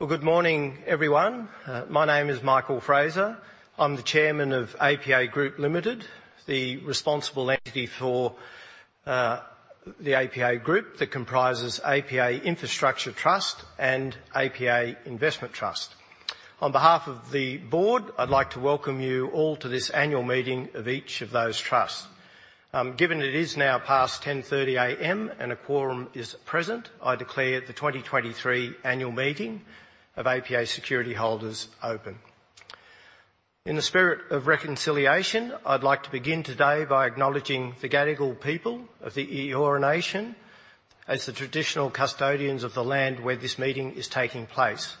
Well, good morning, everyone. My name is Michael Fraser. I'm the chairman of APA Group Limited, the responsible entity for the APA Group that comprises APA Infrastructure Trust and APA Investment Trust. On behalf of the board, I'd like to welcome you all to this annual meeting of each of those trusts. Given it is now past 10:30 A.M. and a quorum is present, I declare the 2023 annual meeting of APA security holders open. In the spirit of reconciliation, I'd like to begin today by acknowledging the Gadigal people of the Eora Nation as the traditional custodians of the land where this meeting is taking place.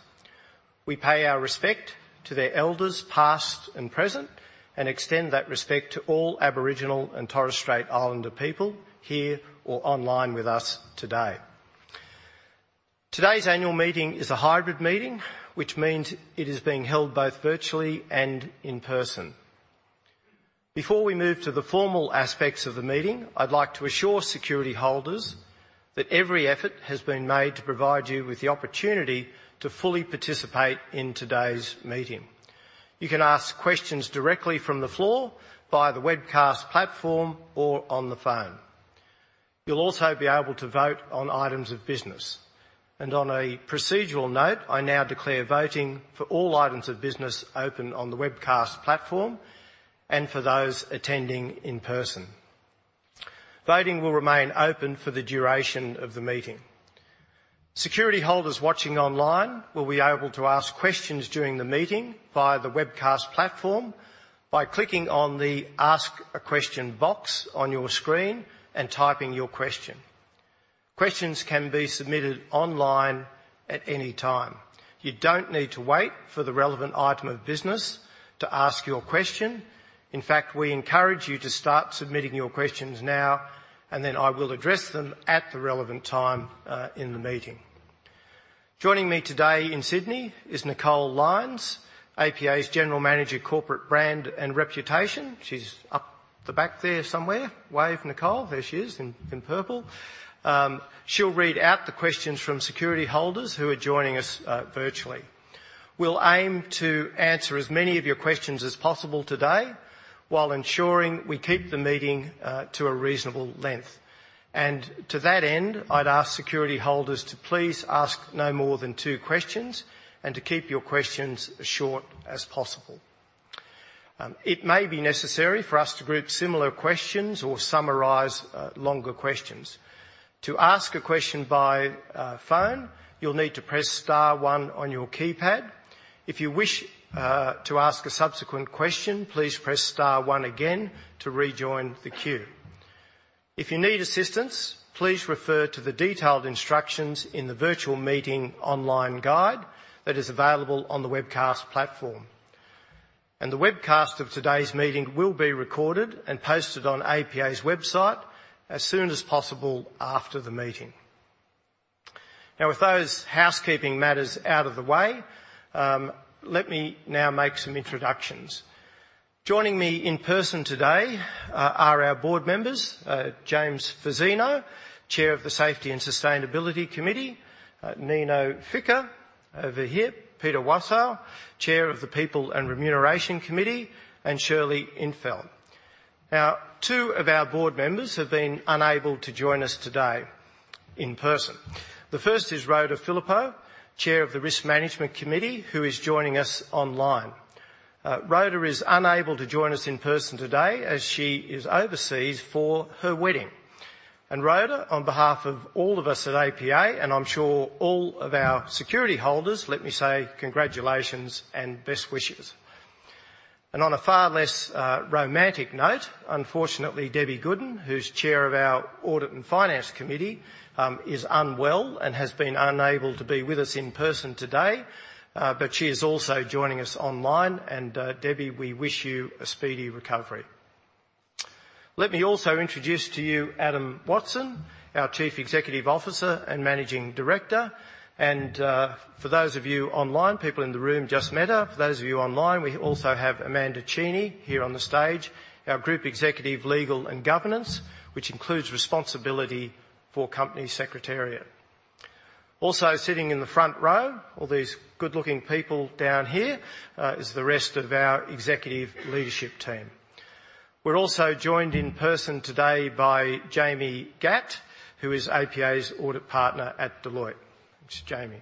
We pay our respect to their elders, past and present, and extend that respect to all Aboriginal and Torres Strait Islander people here or online with us today. Today's annual meeting is a hybrid meeting, which means it is being held both virtually and in person. Before we move to the formal aspects of the meeting, I'd like to assure security holders that every effort has been made to provide you with the opportunity to fully participate in today's meeting. You can ask questions directly from the floor, via the webcast platform, or on the phone. You'll also be able to vote on items of business, and on a procedural note, I now declare voting for all items of business open on the webcast platform and for those attending in person. Voting will remain open for the duration of the meeting. Security holders watching online will be able to ask questions during the meeting via the webcast platform by clicking on the Ask a Question box on your screen and typing your question. Questions can be submitted online at any time. You don't need to wait for the relevant item of business to ask your question. In fact, we encourage you to start submitting your questions now, and then I will address them at the relevant time in the meeting. Joining me today in Sydney is Nicole Lyons, APA's General Manager, Corporate Brand and Reputation. She's up the back there somewhere. Wave, Nicole. There she is, in purple. She'll read out the questions from security holders who are joining us virtually. We'll aim to answer as many of your questions as possible today while ensuring we keep the meeting to a reasonable length, and to that end, I'd ask security holders to please ask no more than two questions and to keep your questions as short as possible. It may be necessary for us to group similar questions or summarize longer questions. To ask a question by phone, you'll need to press star one on your keypad. If you wish to ask a subsequent question, please press star one again to rejoin the queue. If you need assistance, please refer to the detailed instructions in the virtual meeting online guide that is available on the webcast platform. The webcast of today's meeting will be recorded and posted on APA's website as soon as possible after the meeting. Now, with those housekeeping matters out of the way, let me now make some introductions. Joining me in person today are our board members, James Fazzino, Chair of the Safety and Sustainability Committee; Nino Ficca over here; Peter Wasow, Chair of the People and Remuneration Committee; and Shirley In’t Veld. Now, two of our board members have been unable to join us today in person. The first is Rhoda Phillippo, Chair of the Risk Management Committee, who is joining us online. Rhoda is unable to join us in person today as she is overseas for her wedding. Rhoda, on behalf of all of us at APA, and I'm sure all of our security holders, let me say congratulations and best wishes. On a far less romantic note, unfortunately, Debbie Goodin, who's Chair of our Audit and Finance Committee, is unwell and has been unable to be with us in person today, but she is also joining us online, and, Debbie, we wish you a speedy recovery. Let me also introduce to you Adam Watson, our Chief Executive Officer and Managing Director, and for those of you online people in the room just met her. For those of you online, we also have Amanda Cheney here on the stage, our Group Executive, Legal and Governance, which includes responsibility for Company Secretariat. Also sitting in the front row, all these good-looking people down here, is the rest of our executive leadership team. We're also joined in person today by Jamie Gatt, who is APA's Audit Partner at Deloitte. Thanks, Jamie.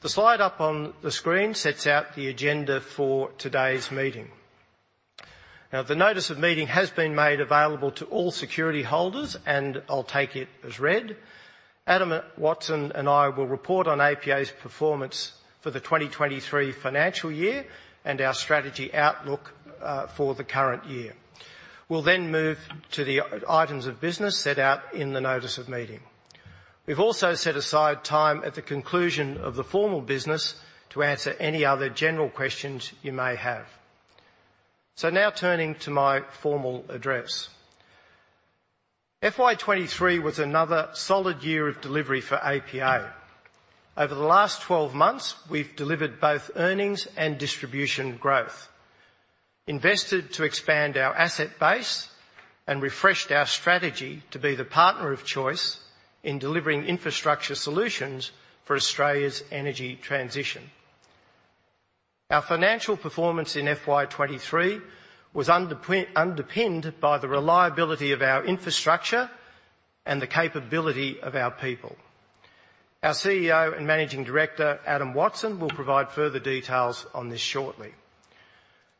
The slide up on the screen sets out the agenda for today's meeting. Now, the notice of meeting has been made available to all security holders, and I'll take it as read. Adam Watson and I will report on APA's performance for the 2023 financial year and our strategy outlook for the current year. We'll then move to the items of business set out in the notice of meeting. We've also set aside time at the conclusion of the formal business to answer any other general questions you may have. So now, turning to my formal address. FY 2023 was another solid year of delivery for APA. Over the last 12 months, we've delivered both earnings and distribution growth, invested to expand our asset base and refreshed our strategy to be the partner of choice in delivering infrastructure solutions for Australia's energy transition. Our financial performance in FY 2023 was underpinned by the reliability of our infrastructure and the capability of our people. Our CEO and Managing Director, Adam Watson, will provide further details on this shortly.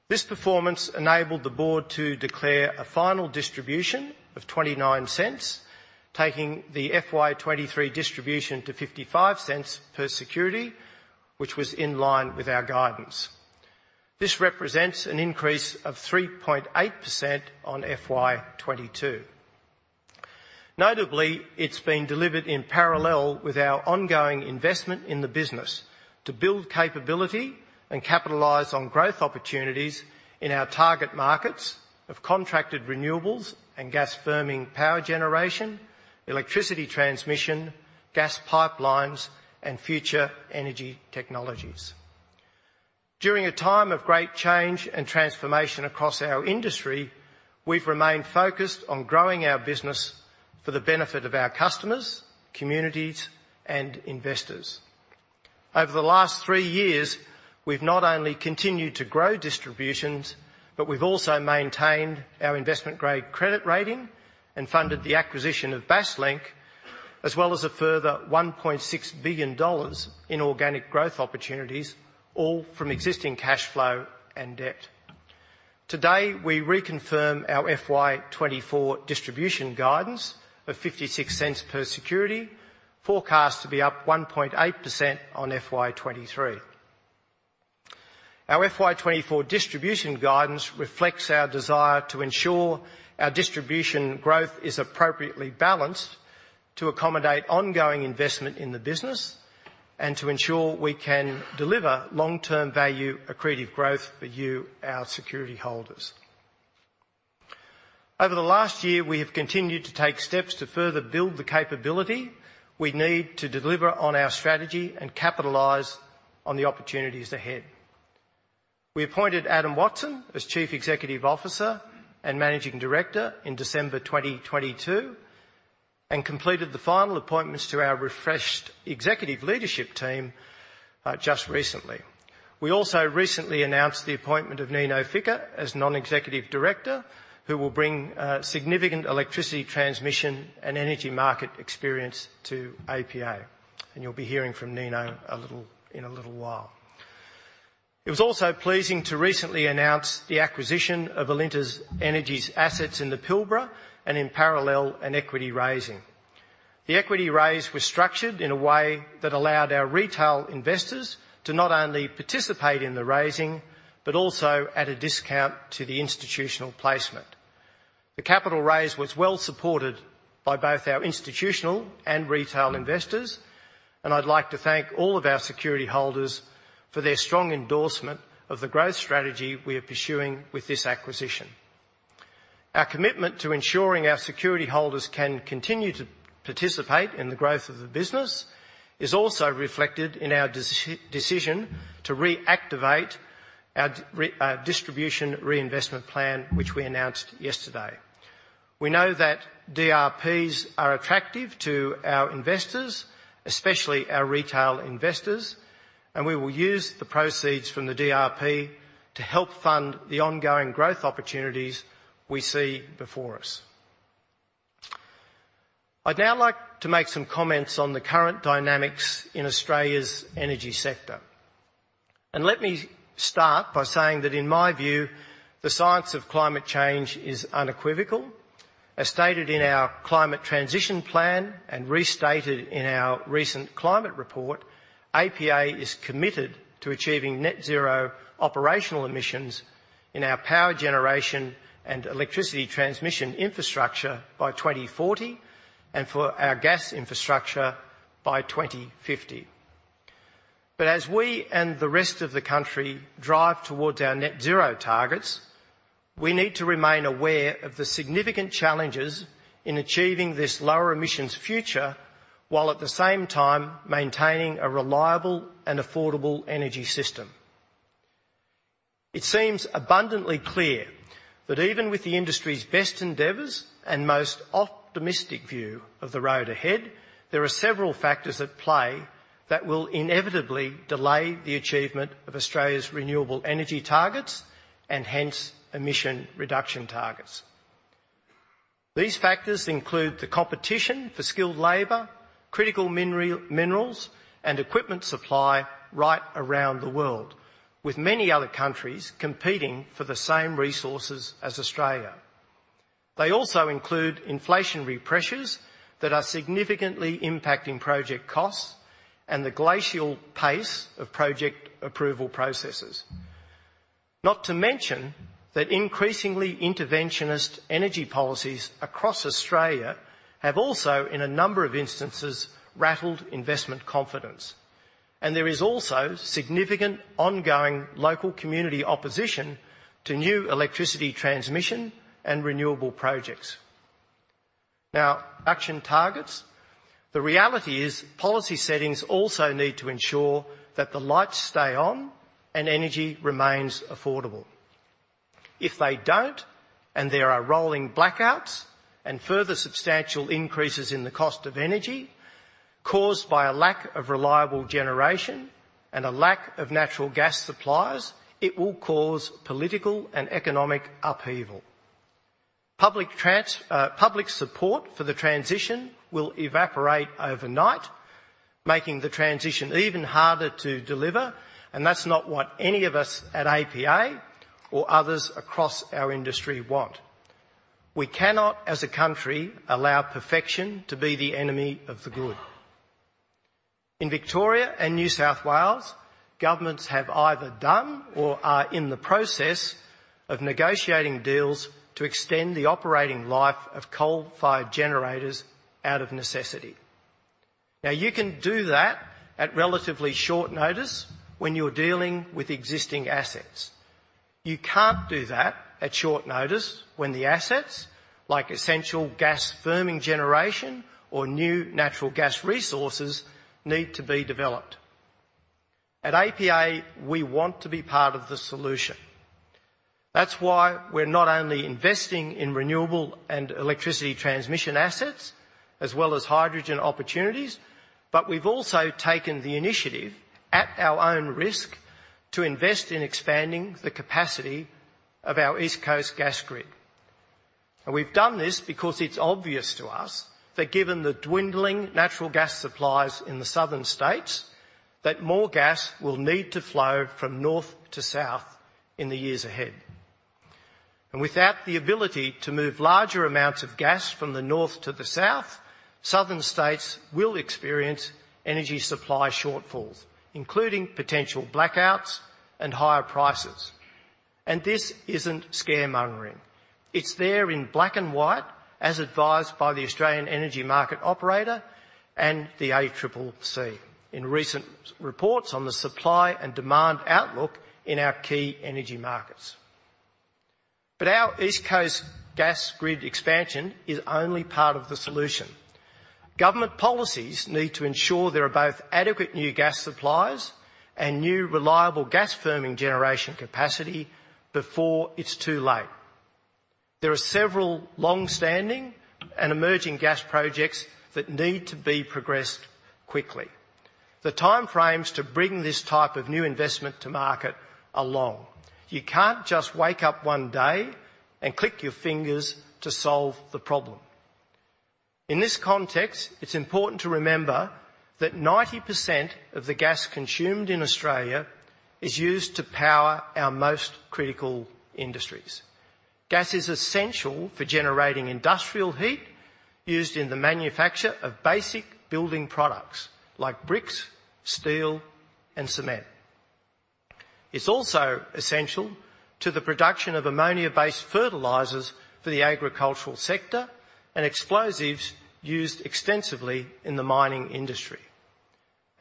This performance enabled the board to declare a final distribution of 0.29, taking the FY 2023 distribution to 0.55 per security, which was in line with our guidance. This represents an increase of 3.8% on FY 2022. Notably, it's been delivered in parallel with our ongoing investment in the business to build capability and capitalize on growth opportunities in our target markets of contracted renewables and gas firming power generation, electricity transmission, gas pipelines, and future energy technologies. During a time of great change and transformation across our industry, we've remained focused on growing our business for the benefit of our customers, communities, and investors. Over the last three years, we've not only continued to grow distributions, but we've also maintained our investment-grade credit rating and funded the acquisition of Basslink, as well as a further 1.6 billion dollars in organic growth opportunities, all from existing cash flow and debt. Today, we reconfirm our FY 2024 distribution guidance of 0.56 per security, forecast to be up 1.8% on FY 2023. Our FY 2024 distribution guidance reflects our desire to ensure our distribution growth is appropriately balanced to accommodate ongoing investment in the business and to ensure we can deliver long-term value accretive growth for you, our security holders. Over the last year, we have continued to take steps to further build the capability we need to deliver on our strategy and capitalize on the opportunities ahead. We appointed Adam Watson as Chief Executive Officer and Managing Director in December 2022, and completed the final appointments to our refreshed executive leadership team just recently. We also recently announced the appointment of Nino Ficca as Non-Executive Director, who will bring significant electricity transmission and energy market experience to APA, and you'll be hearing from Nino in a little while. It was also pleasing to recently announce the acquisition of Alinta Energy's assets in the Pilbara, and in parallel, an equity raising. The equity raise was structured in a way that allowed our retail investors to not only participate in the raising, but also at a discount to the institutional placement. The capital raise was well supported by both our institutional and retail investors, and I'd like to thank all of our security holders for their strong endorsement of the growth strategy we are pursuing with this acquisition. Our commitment to ensuring our security holders can continue to participate in the growth of the business is also reflected in our decision to reactivate our distribution reinvestment plan, which we announced yesterday. We know that DRPs are attractive to our investors, especially our retail investors, and we will use the proceeds from the DRP to help fund the ongoing growth opportunities we see before us. I'd now like to make some comments on the current dynamics in Australia's energy sector. Let me start by saying that, in my view, the science of climate change is unequivocal. As stated in our climate transition plan and restated in our recent climate report, APA is committed to achieving net zero operational emissions in our power generation and electricity transmission infrastructure by 2040, and for our gas infrastructure by 2050. But as we and the rest of the country drive towards our net zero targets, we need to remain aware of the significant challenges in achieving this lower emissions future, while at the same time maintaining a reliable and affordable energy system. It seems abundantly clear that even with the industry's best endeavors and most optimistic view of the road ahead, there are several factors at play that will inevitably delay the achievement of Australia's renewable energy targets and hence emission reduction targets. These factors include the competition for skilled labor, critical minerals, and equipment supply right around the world, with many other countries competing for the same resources as Australia. They also include inflationary pressures that are significantly impacting project costs and the glacial pace of project approval processes. Not to mention, that increasingly interventionist energy policies across Australia have also, in a number of instances, rattled investment confidence, and there is also significant ongoing local community opposition to new electricity transmission and renewable projects. Now, action targets. The reality is policy settings also need to ensure that the lights stay on and energy remains affordable. If they don't, and there are rolling blackouts and further substantial increases in the cost of energy caused by a lack of reliable generation and a lack of natural gas supplies, it will cause political and economic upheaval. Public support for the transition will evaporate overnight, making the transition even harder to deliver, and that's not what any of us at APA or others across our industry want. We cannot, as a country, allow perfection to be the enemy of the good. In Victoria and New South Wales, governments have either done or are in the process of negotiating deals to extend the operating life of coal-fired generators out of necessity. Now, you can do that at relatively short notice when you're dealing with existing assets. You can't do that at short notice when the assets, like essential gas firming generation or new natural gas resources, need to be developed. At APA, we want to be part of the solution. That's why we're not only investing in renewable and electricity transmission assets, as well as hydrogen opportunities, but we've also taken the initiative, at our own risk, to invest in expanding the capacity of our East Coast Gas Grid. We've done this because it's obvious to us that given the dwindling natural gas supplies in the southern states, that more gas will need to flow from north to south in the years ahead. Without the ability to move larger amounts of gas from the north to the south, southern states will experience energy supply shortfalls, including potential blackouts and higher prices. This isn't scaremongering. It's there in black and white, as advised by the Australian Energy Market Operator and the ACCC in recent reports on the supply and demand outlook in our key energy markets. But our East Coast Gas Grid expansion is only part of the solution. Government policies need to ensure there are both adequate new gas supplies and new reliable gas firming generation capacity before it's too late. There are several long-standing and emerging gas projects that need to be progressed quickly. The timeframes to bring this type of new investment to market are long. You can't just wake up one day and click your fingers to solve the problem. In this context, it's important to remember that 90% of the gas consumed in Australia is used to power our most critical industries. Gas is essential for generating industrial heat, used in the manufacture of basic building products like bricks, steel, and cement. It's also essential to the production of ammonia-based fertilizers for the agricultural sector and explosives used extensively in the mining industry.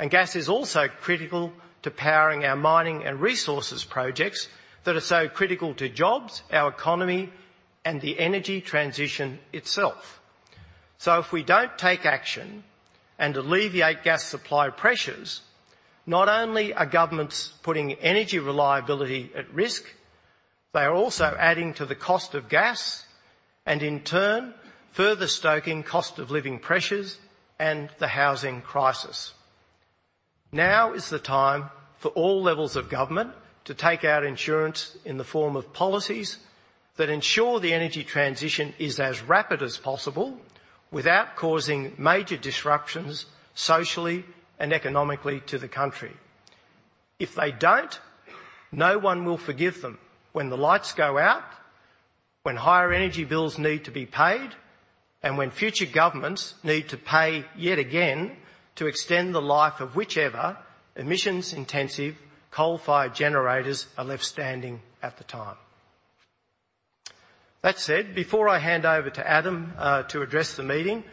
Gas is also critical to powering our mining and resources projects that are so critical to jobs, our economy, and the energy transition itself. So if we don't take action and alleviate gas supply pressures, not only are governments putting energy reliability at risk, they are also adding to the cost of gas and, in turn, further stoking cost of living pressures and the housing crisis. Now is the time for all levels of government to take out insurance in the form of policies that ensure the energy transition is as rapid as possible without causing major disruptions, socially and economically, to the country. If they don't, no one will forgive them when the lights go out, when higher energy bills need to be paid, and when future governments need to pay yet again to extend the life of whichever emissions-intensive coal-fired generators are left standing at the time. That said, before I hand over to Adam, to address the meeting,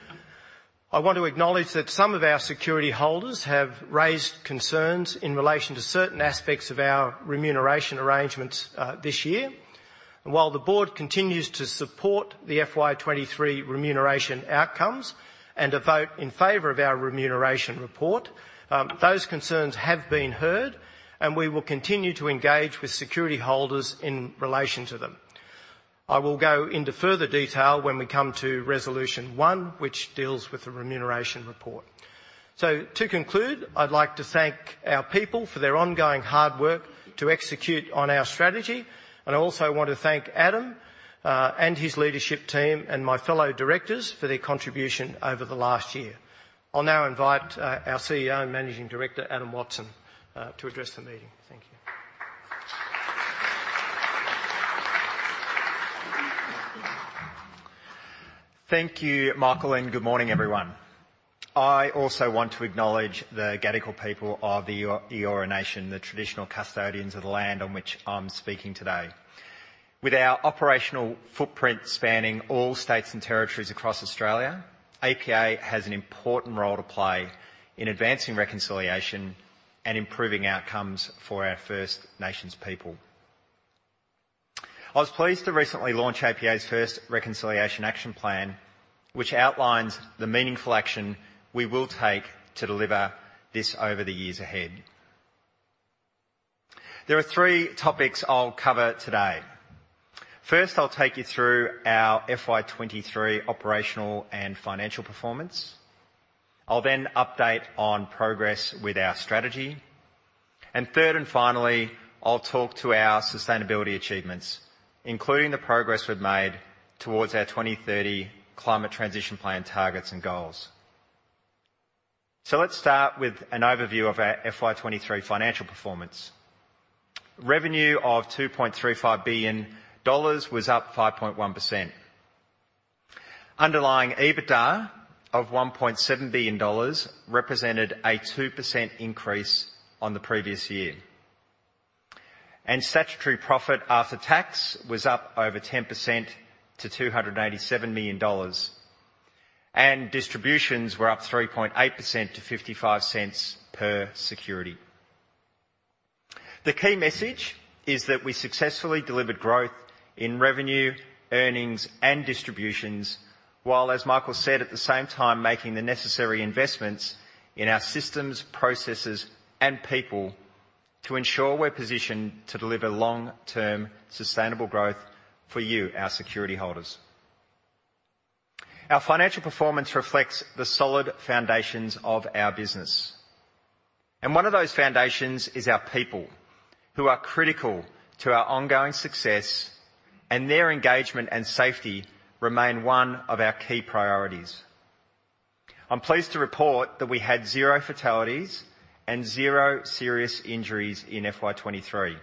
I want to acknowledge that some of our security holders have raised concerns in relation to certain aspects of our remuneration arrangements, this year. And while the board continues to support the FY 2023 remuneration outcomes and a vote in favor of our remuneration report, those concerns have been heard, and we will continue to engage with security holders in relation to them. I will go into further detail when we come to Resolution 1, which deals with the remuneration report. So to conclude, I'd like to thank our people for their ongoing hard work to execute on our strategy, and I also want to thank Adam, and his leadership team and my fellow directors for their contribution over the last year. I'll now invite our CEO and Managing Director, Adam Watson, to address the meeting. Thank you. Thank you, Michael, and good morning, everyone. I also want to acknowledge the Gadigal people of the Eora Nation, the traditional custodians of the land on which I'm speaking today. With our operational footprint spanning all states and territories across Australia, APA has an important role to play in advancing reconciliation and improving outcomes for our First Nations people. I was pleased to recently launch APA's first Reconciliation Action Plan, which outlines the meaningful action we will take to deliver this over the years ahead. There are three topics I'll cover today. First, I'll take you through our FY 2023 operational and financial performance. I'll then update on progress with our strategy. And third and finally, I'll talk to our sustainability achievements, including the progress we've made towards our 2030 climate transition plan targets and goals. So let's start with an overview of our FY 2023 financial performance. Revenue of AUD 2.35 billion was up 5.1%. Underlying EBITDA of 1.7 billion dollars represented a 2% increase on the previous year, and statutory profit after tax was up over 10% to 287 million dollars, and distributions were up 3.8% to 0.55 per security. The key message is that we successfully delivered growth in revenue, earnings, and distributions, while, as Michael said, at the same time, making the necessary investments in our systems, processes, and people to ensure we're positioned to deliver long-term sustainable growth for you, our security holders. Our financial performance reflects the solid foundations of our business, and one of those foundations is our people, who are critical to our ongoing success, and their engagement and safety remain one of our key priorities. I'm pleased to report that we had zero fatalities and zero serious injuries in FY 2023.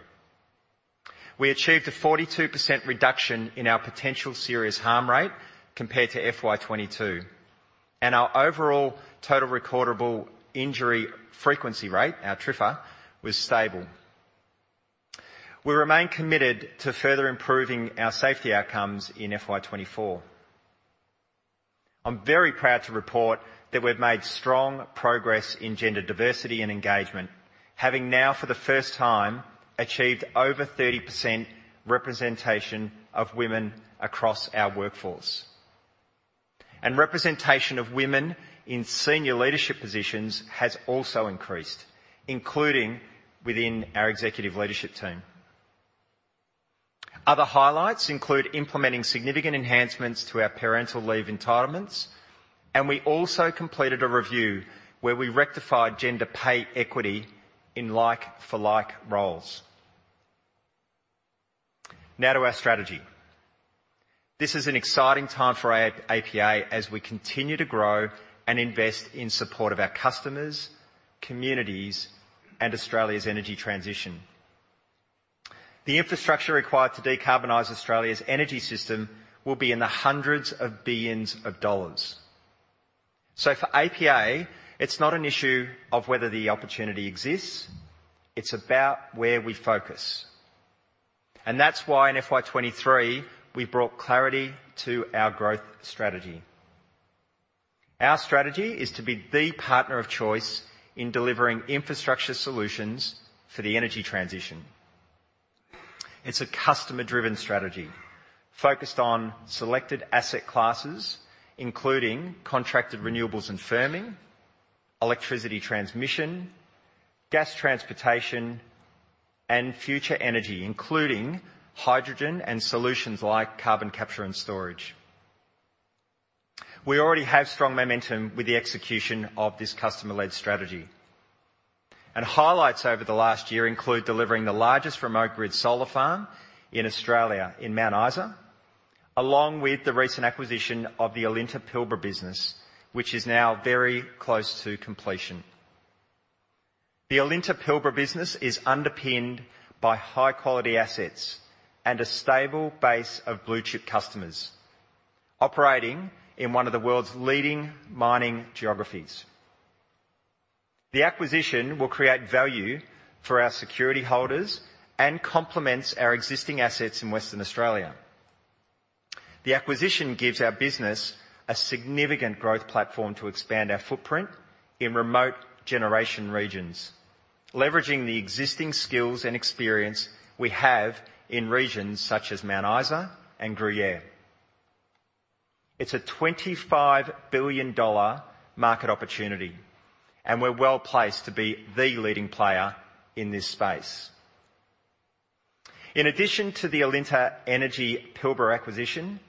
We achieved a 42% reduction in our potential serious harm rate compared to FY 2022, and our overall total recordable injury frequency rate, our TRIFR, was stable. We remain committed to further improving our safety outcomes in FY 2024. I'm very proud to report that we've made strong progress in gender diversity and engagement, having now for the first time, achieved over 30% representation of women across our workforce. Representation of women in senior leadership positions has also increased, including within our executive leadership team. Other highlights include implementing significant enhancements to our parental leave entitlements, and we also completed a review where we rectified gender pay equity in like-for-like roles. Now to our strategy. This is an exciting time for APA as we continue to grow and invest in support of our customers, communities, and Australia's energy transition. The infrastructure required to decarbonize Australia's energy system will be in the hundreds of billions of dollars. So for APA, it's not an issue of whether the opportunity exists, it's about where we focus, and that's why in FY 2023, we brought clarity to our growth strategy. Our strategy is to be the partner of choice in delivering infrastructure solutions for the energy transition. It's a customer-driven strategy focused on selected asset classes, including contracted renewables and firming, electricity transmission, gas transportation, and future energy, including hydrogen and solutions like carbon capture and storage. We already have strong momentum with the execution of this customer-led strategy, and highlights over the last year include delivering the largest remote grid solar farm in Australia in Mount Isa, along with the recent acquisition of the Alinta Pilbara business, which is now very close to completion. The Alinta Pilbara business is underpinned by high-quality assets and a stable base of blue chip customers operating in one of the world's leading mining geographies. The acquisition will create value for our security holders and complements our existing assets in Western Australia. The acquisition gives our business a significant growth platform to expand our footprint in remote generation regions, leveraging the existing skills and experience we have in regions such as Mount Isa and Gruyere. It's a 25 billion dollar market opportunity, and we're well placed to be the leading player in this space. In addition to the Alinta Energy Pilbara acquisition,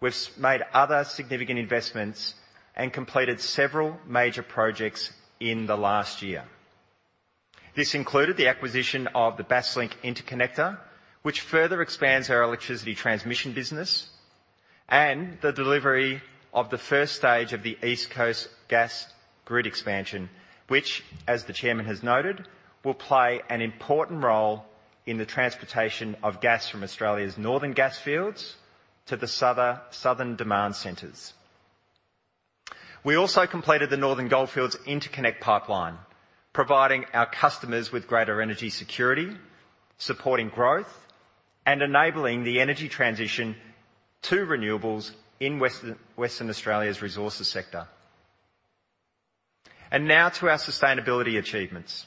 we've made other significant investments and completed several major projects in the last year. This included the acquisition of the Basslink interconnector, which further expands our electricity transmission business, and the delivery of the first stage of the East Coast Gas Grid Expansion, which, as the chairman has noted, will play an important role in the transportation of gas from Australia's northern gas fields to the southern demand centers. We also completed the Northern Goldfields Interconnect Pipeline, providing our customers with greater energy security, supporting growth, and enabling the energy transition to renewables in Western Australia's resources sector. Now to our sustainability achievements.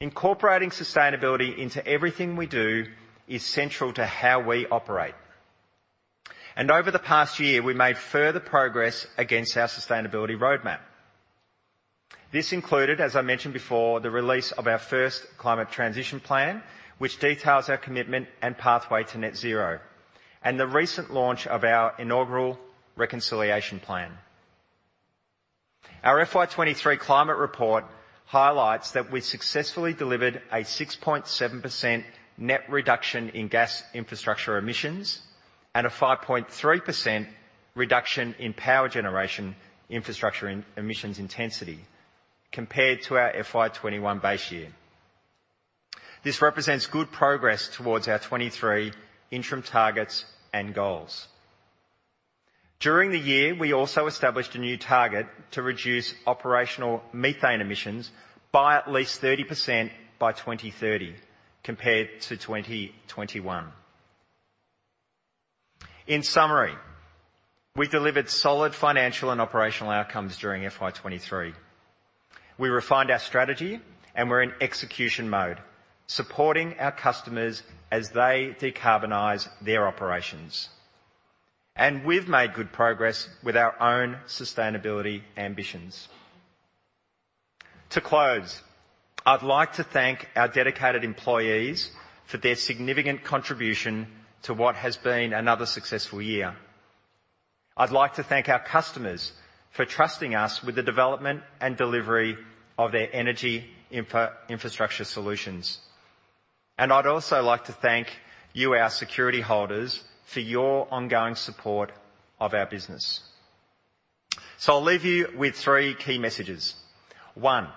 Incorporating sustainability into everything we do is central to how we operate. Over the past year, we made further progress against our sustainability roadmap. This included, as I mentioned before, the release of our first Climate Transition Plan, which details our commitment and pathway to net zero, and the recent launch of our inaugural Reconciliation Plan. Our FY 2023 climate report highlights that we successfully delivered a 6.7% net reduction in gas infrastructure emissions and a 5.3% reduction in power generation infrastructure in emissions intensity, compared to our FY 2021 base year. This represents good progress towards our 2023 interim targets and goals. During the year, we also established a new target to reduce operational methane emissions by at least 30% by 2030, compared to 2021. In summary, we delivered solid financial and operational outcomes during FY 2023. We refined our strategy, and we're in execution mode, supporting our customers as they decarbonize their operations. And we've made good progress with our own sustainability ambitions. To close, I'd like to thank our dedicated employees for their significant contribution to what has been another successful year. I'd like to thank our customers for trusting us with the development and delivery of their energy infrastructure solutions. I'd also like to thank you, our security holders, for your ongoing support of our business. I'll leave you with three key messages. One,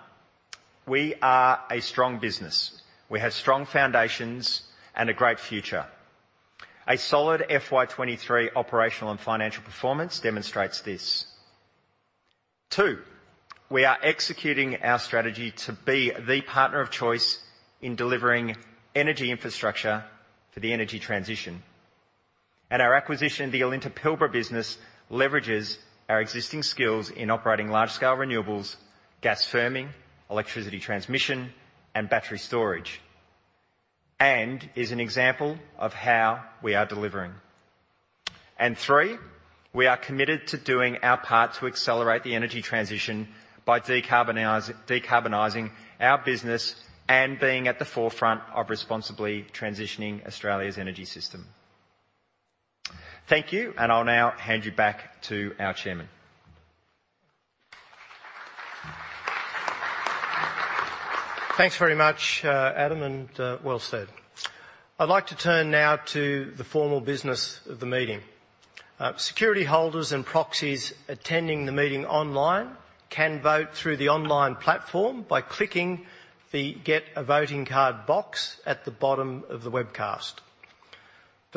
we are a strong business. We have strong foundations and a great future. A solid FY 2023 operational and financial performance demonstrates this. Two, we are executing our strategy to be the partner of choice in delivering energy infrastructure for the energy transition. And our acquisition of the Alinta Pilbara business leverages our existing skills in operating large-scale renewables, gas firming, electricity transmission, and battery storage, and is an example of how we are delivering. Three, we are committed to doing our part to accelerate the energy transition by decarbonizing our business and being at the forefront of responsibly transitioning Australia's energy system. Thank you, and I'll now hand you back to our chairman. Thanks very much, Adam, and well said. I'd like to turn now to the formal business of the meeting. Security holders and proxies attending the meeting online can vote through the online platform by clicking the Get a Voting Card box at the bottom of the webcast.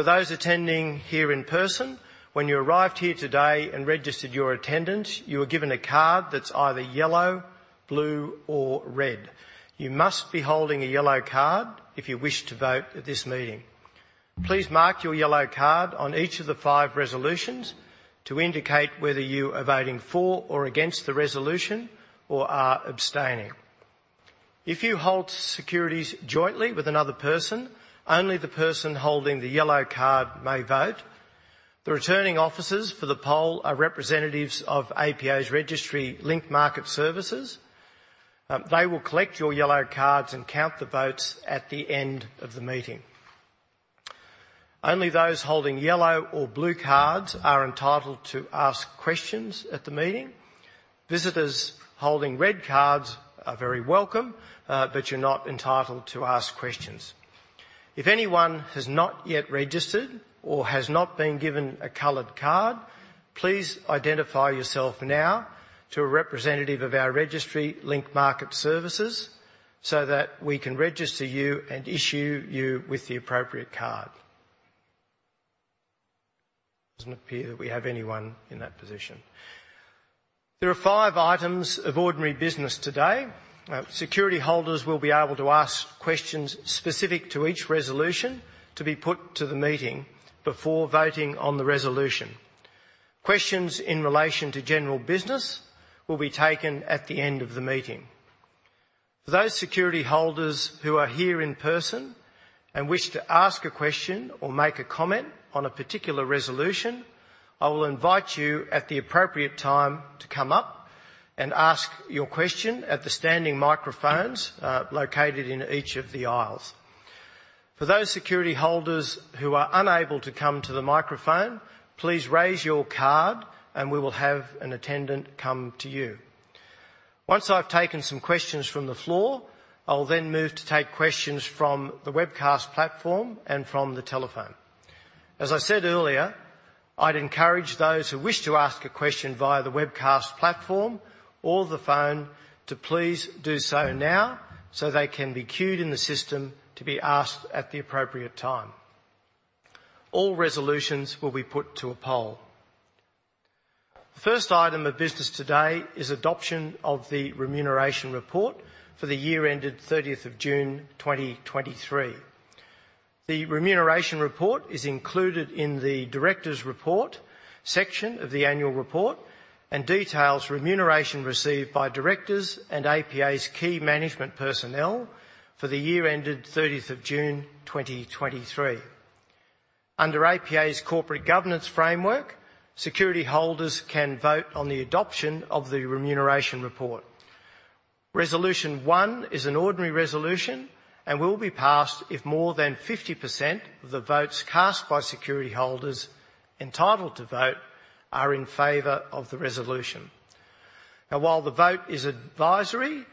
For those attending here in person, when you arrived here today and registered your attendance, you were given a card that's either yellow, blue, or red. You must be holding a yellow card if you wish to vote at this meeting. Please mark your yellow card on each of the five resolutions to indicate whether you are voting for or against the resolution or are abstaining. If you hold securities jointly with another person, only the person holding the yellow card may vote. The returning officers for the poll are representatives of APA's registry Link Market Services. They will collect your yellow cards and count the votes at the end of the meeting. Only those holding yellow or blue cards are entitled to ask questions at the meeting. Visitors holding red cards are very welcome, but you're not entitled to ask questions. If anyone has not yet registered or has not been given a colored card, please identify yourself now to a representative of our registry, Link Market Services, so that we can register you and issue you with the appropriate card. Doesn't appear that we have anyone in that position. There are five items of ordinary business today. Security holders will be able to ask questions specific to each resolution to be put to the meeting before voting on the resolution. Questions in relation to general business will be taken at the end of the meeting. For those security holders who are here in person and wish to ask a question or make a comment on a particular resolution, I will invite you at the appropriate time to come up and ask your question at the standing microphones located in each of the aisles. For those security holders who are unable to come to the microphone, please raise your card, and we will have an attendant come to you. Once I've taken some questions from the floor, I will then move to take questions from the webcast platform and from the telephone. As I said earlier, I'd encourage those who wish to ask a question via the webcast platform or the phone to please do so now, so they can be queued in the system to be asked at the appropriate time. All resolutions will be put to a poll. The first item of business today is adoption of the remuneration report for the year ended 30th of June, 2023. The remuneration report is included in the directors' report section of the annual report, and details remuneration received by directors and APA's key management personnel for the year ended 30th of June, 2023. Under APA's corporate governance framework, security holders can vote on the adoption of the remuneration report. Resolution 1 is an ordinary resolution and will be passed if more than 50% of the votes cast by security holders entitled to vote are in favor of the resolution. Now, while the vote is advisory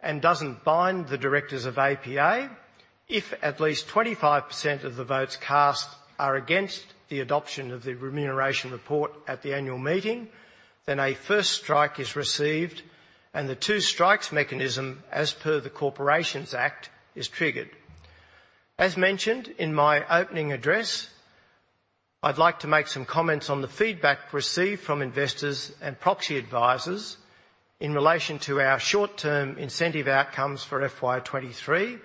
and doesn't bind the directors of APA, if at least 25% of the votes cast are against the adoption of the remuneration report at the annual meeting, then a first strike is received, and the two strikes mechanism, as per the Corporations Act, is triggered. As mentioned in my opening address, I'd like to make some comments on the feedback received from investors and proxy advisors in relation to our short-term incentive outcomes for FY 2023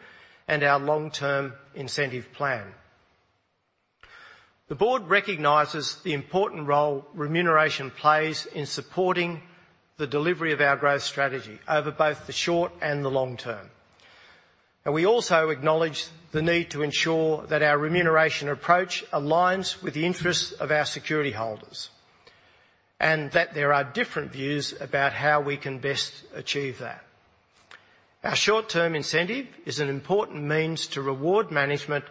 and our long-term incentive plan. The board recognizes the important role remuneration plays in supporting the delivery of our growth strategy over both the short and the long term. We also acknowledge the need to ensure that our remuneration approach aligns with the interests of our security holders, and that there are different views about how we can best achieve that. Our short-term incentive is an important means to reward management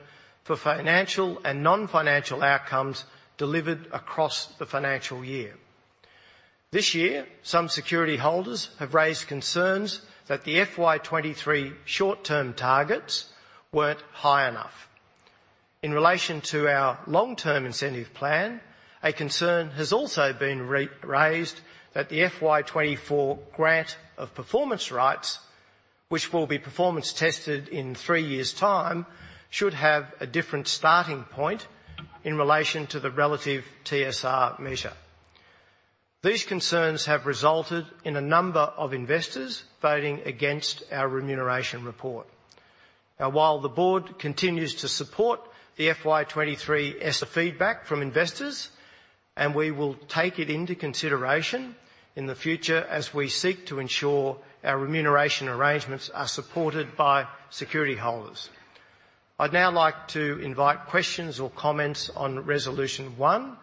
for financial and non-financial outcomes delivered across the financial year. This year, some security holders have raised concerns that the FY 2023 short-term targets weren't high enough. In relation to our long-term incentive plan, a concern has also been raised that the FY 2024 grant of performance rights, which will be performance tested in three years' time, should have a different starting point in relation to the relative TSR measure. These concerns have resulted in a number of investors voting against our remuneration report. Now, while the board continues to support the FY 2023's feedback from investors, and we will take it into consideration in the future as we seek to ensure our remuneration arrangements are supported by security holders. I'd now like to invite questions or comments on Resolution 1,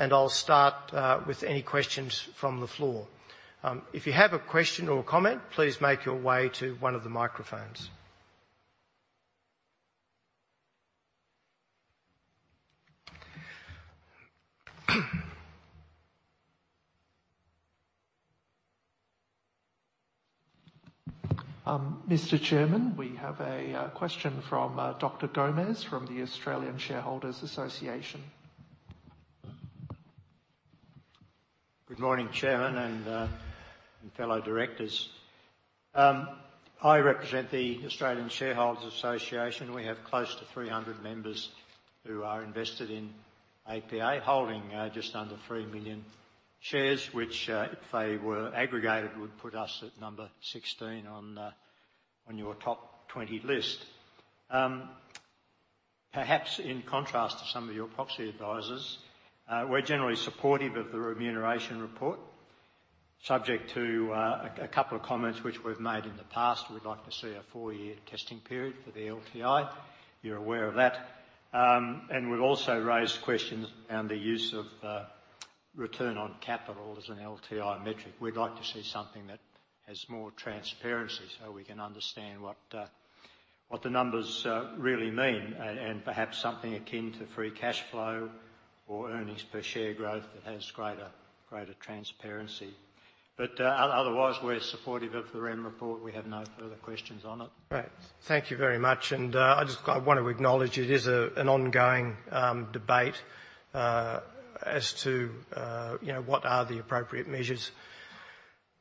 and I'll start with any questions from the floor. If you have a question or comment, please make your way to one of the microphones. Mr. Chairman, we have a question from Dr. Gomes from the Australian Shareholders Association. Good morning, Chairman, and fellow directors. I represent the Australian Shareholders Association. We have close to 300 members who are invested in APA, holding just under 3 million shares, which, if they were aggregated, would put us at number 16 on your top 20 list. Perhaps in contrast to some of your proxy advisors, we're generally supportive of the remuneration report, subject to a couple of comments which we've made in the past. We'd like to see a four-year testing period for the LTI. You're aware of that. And we've also raised questions around the use of return on capital as an LTI metric. We'd like to see something that has more transparency, so we can understand what, what the numbers really mean and, and perhaps something akin to free cash flow or earnings per share growth that has greater, greater transparency. But, otherwise, we're supportive of the REM report. We have no further questions on it. Great. Thank you very much, and I just want to acknowledge it is an ongoing debate as to you know what are the appropriate measures,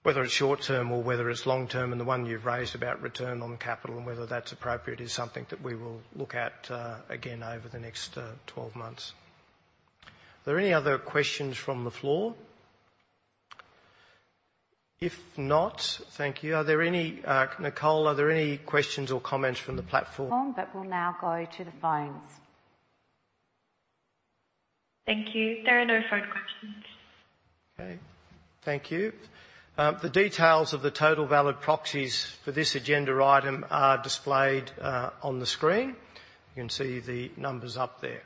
whether it's short term or whether it's long term, and the one you've raised about Return on Capital and whether that's appropriate, is something that we will look at again over the next 12 months. Are there any other questions from the floor? If not, thank you. Are there any... Nicole, are there any questions or comments from the platform? We'll now go to the phones. Thank you. There are no phone questions. Okay. Thank you. The details of the total valid proxies for this agenda item are displayed on the screen. You can see the numbers up there.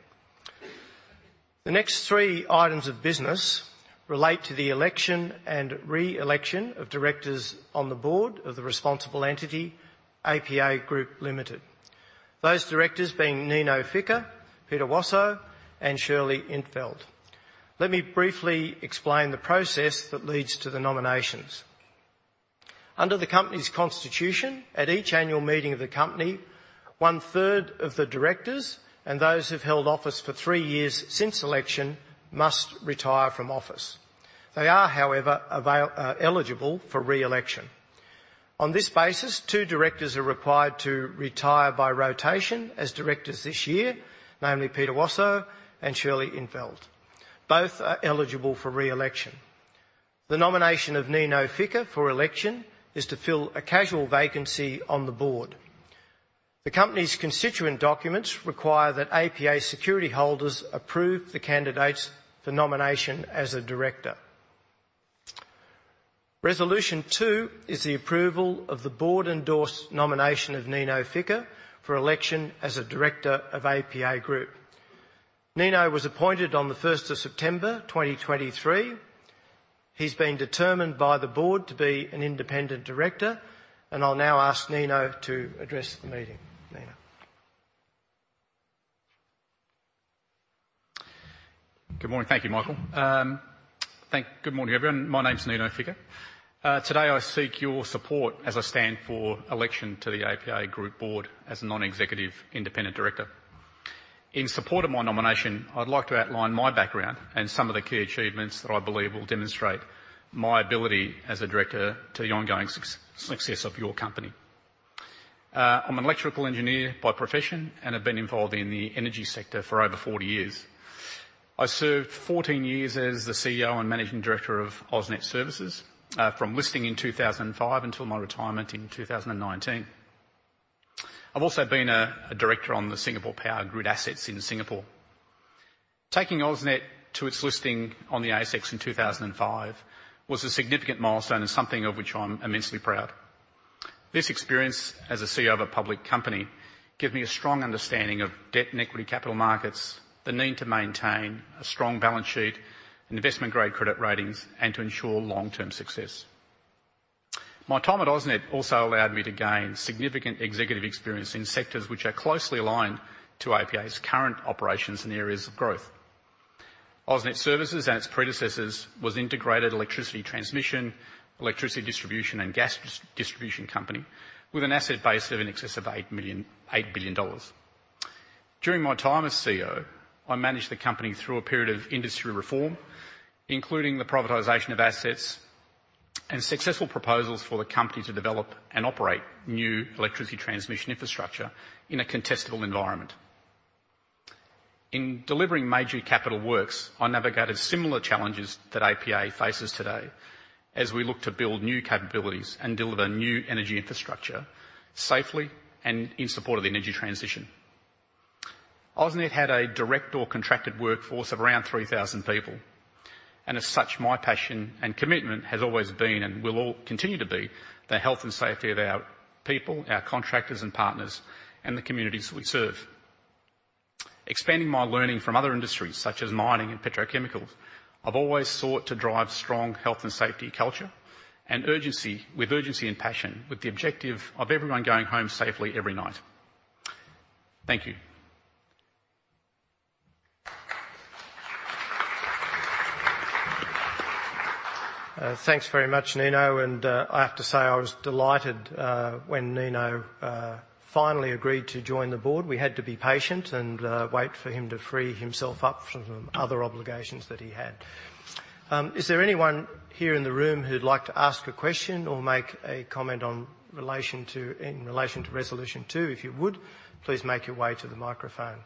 The next three items of business relate to the election and re-election of directors on the board of the responsible entity, APA Group Limited, those directors being Nino Ficca, Peter Wasow, and Shirley In't Veld. Let me briefly explain the process that leads to the nominations. Under the company's constitution, at each annual meeting of the company, 1/3 of the directors and those who've held office for three years since election must retire from office. They are, however, eligible for re-election. On this basis, two directors are required to retire by rotation as directors this year, namely Peter Wasow and Shirley In't Veld. Both are eligible for re-election. The nomination of Nino Ficca for election is to fill a casual vacancy on the board. The company's constituent documents require that APA security holders approve the candidates for nomination as a director. Resolution 2 is the approval of the board-endorsed nomination of Nino Ficca for election as a director of APA Group. Nino was appointed on the first of September 2023. He's been determined by the board to be an independent director, and I'll now ask Nino to address the meeting. Nino? Good morning. Thank you, Michael. Good morning, everyone. My name is Nino Ficca. Today I seek your support as I stand for election to the APA Group board as a non-executive independent director. In support of my nomination, I'd like to outline my background and some of the key achievements that I believe will demonstrate my ability as a director to the ongoing success of your company. I'm an electrical engineer by profession and have been involved in the energy sector for over 40 years. I served 14 years as the CEO and Managing Director of AusNet Services, from listing in 2005 until my retirement in 2019. I've also been a director on the Singapore Power Grid assets in Singapore. Taking AusNet to its listing on the ASX in 2005 was a significant milestone and something of which I'm immensely proud. This experience as a CEO of a public company gave me a strong understanding of debt and equity capital markets, the need to maintain a strong balance sheet and investment-grade credit ratings, and to ensure long-term success. My time at AusNet also allowed me to gain significant executive experience in sectors which are closely aligned to APA's current operations and areas of growth. AusNet Services and its predecessors was integrated electricity transmission, electricity distribution, and gas distribution company with an asset base of in excess of 8 billion dollars. During my time as CEO, I managed the company through a period of industry reform, including the privatization of assets and successful proposals for the company to develop and operate new electricity transmission infrastructure in a contestable environment. In delivering major capital works, I navigated similar challenges that APA faces today as we look to build new capabilities and deliver new energy infrastructure safely and in support of the energy transition. AusNet had a direct or contracted workforce of around 3,000 people, and as such, my passion and commitment has always been, and will all continue to be, the health and safety of our people, our contractors and partners, and the communities that we serve. Expanding my learning from other industries, such as mining and petrochemicals, I've always sought to drive strong health and safety culture and urgency, with urgency and passion, with the objective of everyone going home safely every night. Thank you. Thanks very much, Nino. I have to say, I was delighted when Nino finally agreed to join the board. We had to be patient and wait for him to free himself up from other obligations that he had. Is there anyone here in the room who'd like to ask a question or make a comment in relation to Resolution 2? If you would, please make your way to the microphone.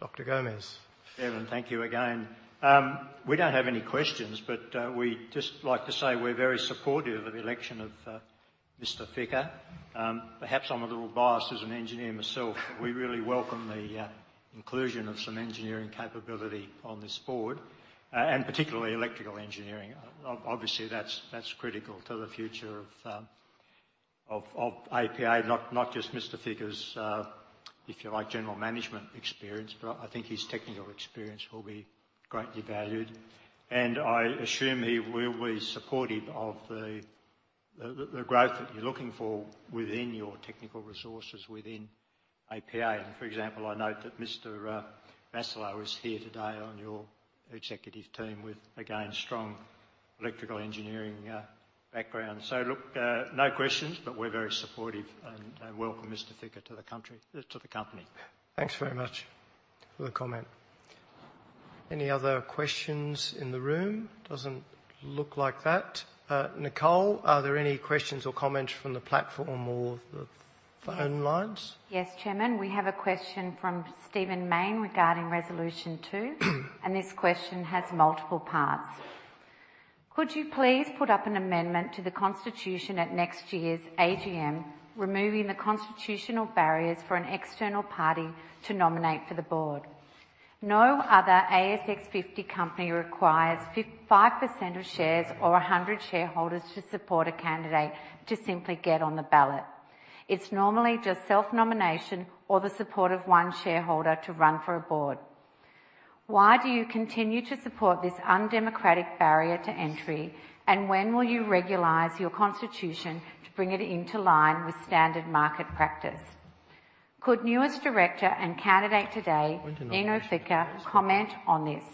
Dr. Gomes. Chairman, thank you again. We don't have any questions, but we'd just like to say we're very supportive of the election of Mr. Ficca. Perhaps I'm a little biased as an engineer myself, we really welcome the inclusion of some engineering capability on this board, and particularly electrical engineering. Obviously, that's critical to the future of APA, not just Mr. Ficca's, if you like, general management experience, but I think his technical experience will be greatly valued. And I assume he will be supportive of the growth that you're looking for within your technical resources within APA. And for example, I note that Mr. Vassallo is here today on your executive team with, again, strong electrical engineering background. Look, no questions, but we're very supportive and welcome Mr. Ficca to the country, to the company. Thanks very much for the comment. Any other questions in the room? Doesn't look like that. Nicole, are there any questions or comments from the platform or the phone lines? Yes, Chairman, we have a question from Steven Mayne regarding Resolution 2, and this question has multiple parts. Could you please put up an amendment to the constitution at next year's AGM, removing the constitutional barriers for an external party to nominate for the board? No other ASX 50 company requires 5% of shares or 100 shareholders to support a candidate to simply get on the ballot. It's normally just self-nomination or the support of one shareholder to run for a board. Why do you continue to support this undemocratic barrier to entry, and when will you regularize your constitution to bring it into line with standard market practice? Could newest director and candidate today, Nino Ficca, comment on this?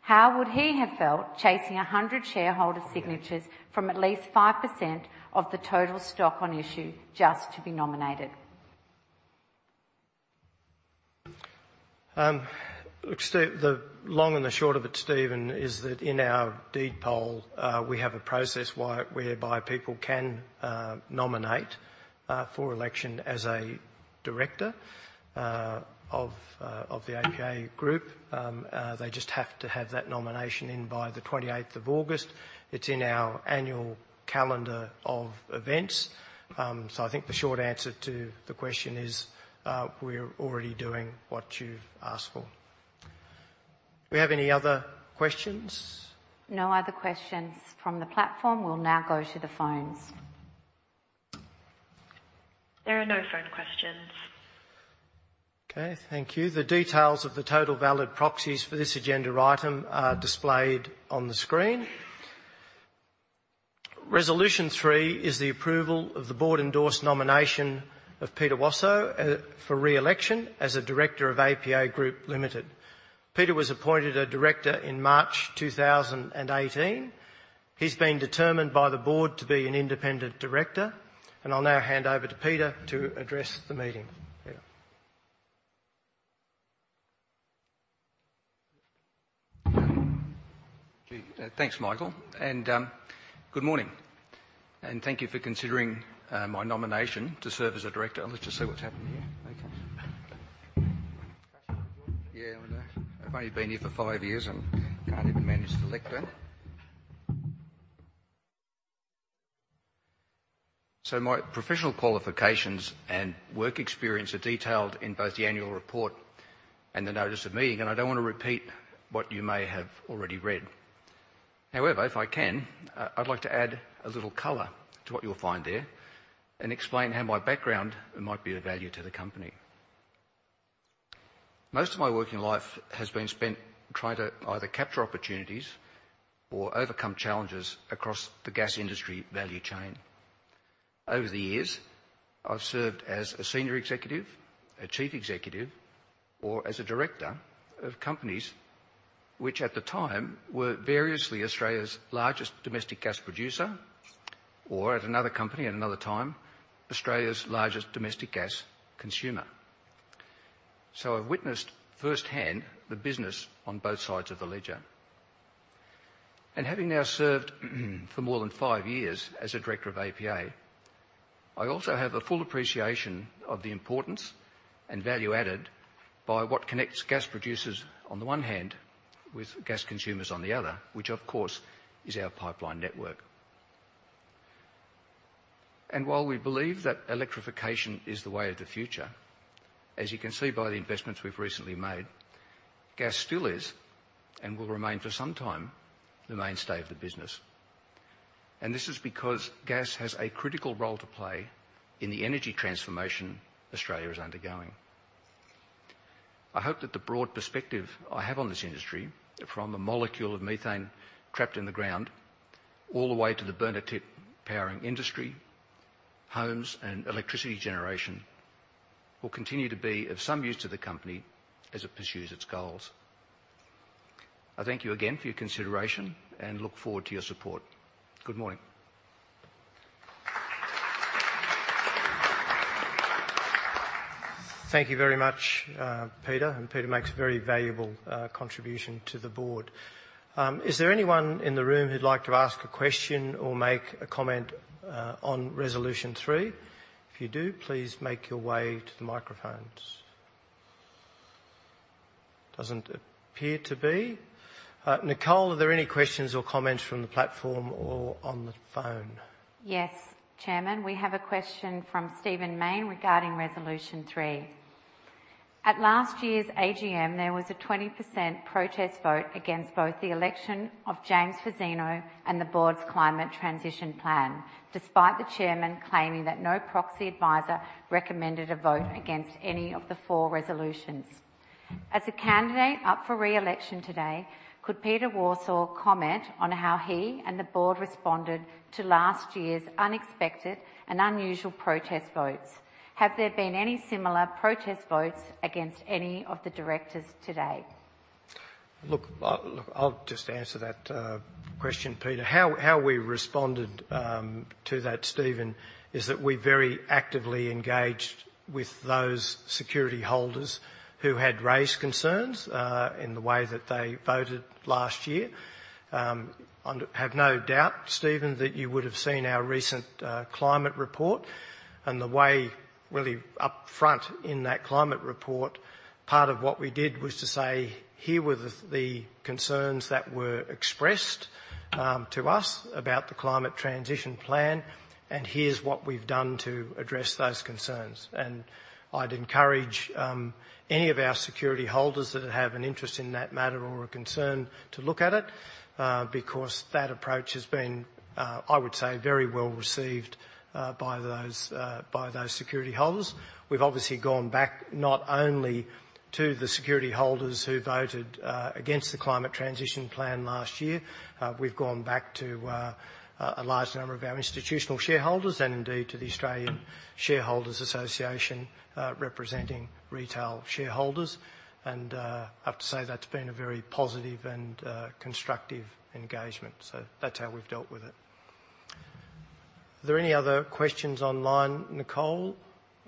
How would he have felt chasing 100 shareholder signatures from at least 5% of the total stock on issue just to be nominated? The long and the short of it, Steven, is that in our deed poll, we have a process whereby people can nominate for election as a director of the APA Group. They just have to have that nomination in by the 28th of August. It's in our annual calendar of events. So I think the short answer to the question is, we're already doing what you've asked for. Do we have any other questions? No other questions from the platform. We'll now go to the phones. There are no phone questions. Okay, thank you. The details of the total valid proxies for this agenda item are displayed on the screen. Resolution 3 is the approval of the board-endorsed nomination of Peter Wasow for re-election as a director of APA Group Limited. Peter was appointed a director in March 2018. He's been determined by the board to be an independent director, and I'll now hand over to Peter to address the meeting. Peter? Thanks, Michael, and good morning. Thank you for considering my nomination to serve as a director. I'll just see what's happened here. Okay. Yeah, I've only been here for five years and can't even manage the clicker. My professional qualifications and work experience are detailed in both the annual report and the notice of meeting, and I don't want to repeat what you may have already read. However, if I can, I'd like to add a little color to what you'll find there and explain how my background might be of value to the company. Most of my working life has been spent trying to either capture opportunities or overcome challenges across the gas industry value chain. Over the years, I've served as a senior executive, a chief executive, or as a director of companies which at the time were variously Australia's largest domestic gas producer, or at another company, at another time, Australia's largest domestic gas consumer. So I've witnessed firsthand the business on both sides of the ledger. And having now served for more than five years as a director of APA, I also have a full appreciation of the importance and value added by what connects gas producers on the one hand with gas consumers on the other, which of course, is our pipeline network. And while we believe that electrification is the way of the future, as you can see by the investments we've recently made, gas still is, and will remain for some time, the mainstay of the business. And this is because gas has a critical role to play in the energy transformation Australia is undergoing. I hope that the broad perspective I have on this industry, from a molecule of methane trapped in the ground, all the way to the burner tip powering industry, homes, and electricity generation, will continue to be of some use to the company as it pursues its goals. I thank you again for your consideration and look forward to your support. Good morning. Thank you very much, Peter, and Peter makes a very valuable contribution to the board. Is there anyone in the room who'd like to ask a question or make a comment on resolution three? If you do, please make your way to the microphones. Doesn't appear to be. Nicole, are there any questions or comments from the platform or on the phone? Yes, Chairman, we have a question from Steven Mayne regarding Resolution 3. At last year's AGM, there was a 20% protest vote against both the election of James Fazzino and the board's climate transition plan, despite the chairman claiming that no proxy advisor recommended a vote against any of the four resolutions. As a candidate up for re-election today, could Peter Wasow comment on how he and the board responded to last year's unexpected and unusual protest votes? Have there been any similar protest votes against any of the directors today? Look, look, I'll just answer that question, Peter. How we responded to that, Steven, is that we very actively engaged with those security holders who had raised concerns in the way that they voted last year. I have no doubt, Steven, that you would have seen our recent climate report and the way really upfront in that climate report, part of what we did was to say, "Here were the concerns that were expressed to us about the climate transition plan, and here's what we've done to address those concerns." And I'd encourage any of our security holders that have an interest in that matter or a concern to look at it because that approach has been, I would say, very well received by those security holders. We've obviously gone back not only to the security holders who voted against the climate transition plan last year, we've gone back to a large number of our institutional shareholders and indeed to the Australian Shareholders Association, representing retail shareholders, and I have to say that's been a very positive and constructive engagement. So that's how we've dealt with it. Are there any other questions online, Nicole?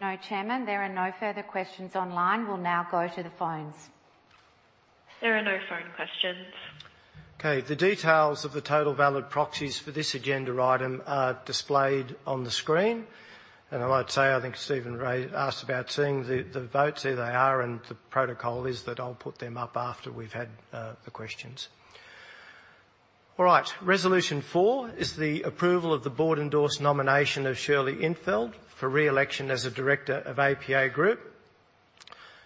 No, Chairman, there are no further questions online. We'll now go to the phones. There are no phone questions. Okay. The details of the total valid proxies for this agenda item are displayed on the screen. And I might say, I think Stephen Riney asked about seeing the votes. Here they are, and the protocol is that I'll put them up after we've had the questions. All right. Resolution 4 is the approval of the board-endorsed nomination of Shirley In't Veld for re-election as a director of APA Group.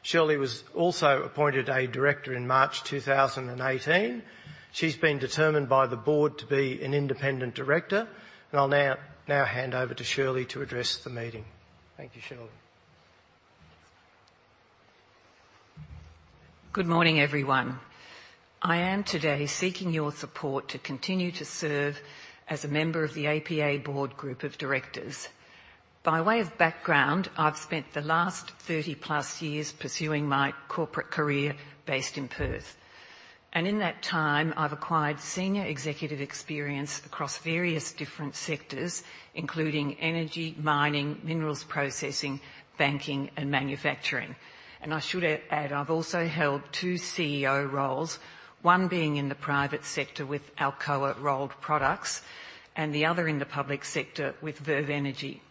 Shirley was also appointed a director in March 2018. She's been determined by the board to be an independent director, and I'll now hand over to Shirley to address the meeting. Thank you, Shirley. Good morning, everyone. I am today seeking your support to continue to serve as a member of the APA Group Board of Directors. By way of background, I've spent the last 30+ years pursuing my corporate career based in Perth, and in that time, I've acquired senior executive experience across various different sectors, including energy, mining, minerals processing, banking, and manufacturing. I should add, I've also held two CEO roles, one being in the private sector with Alcoa Rolled Products, and the other in the public sector with Verve Energy,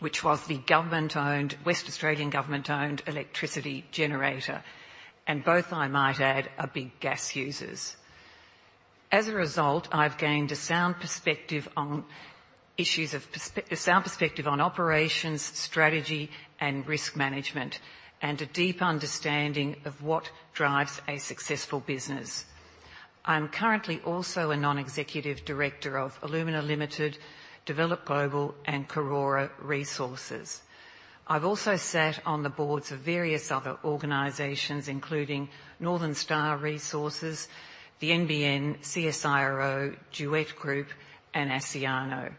which was the government-owned, Western Australian Government-owned electricity generator, and both, I might add, are big gas users. As a result, I've gained a sound perspective on operations, strategy, and risk management, and a deep understanding of what drives a successful business. I'm currently also a non-executive director of Alumina Limited, Develop Global, and Karora Resources. I've also sat on the boards of various other organizations, including Northern Star Resources, the NBN, CSIRO, Duet Group, and Asciano.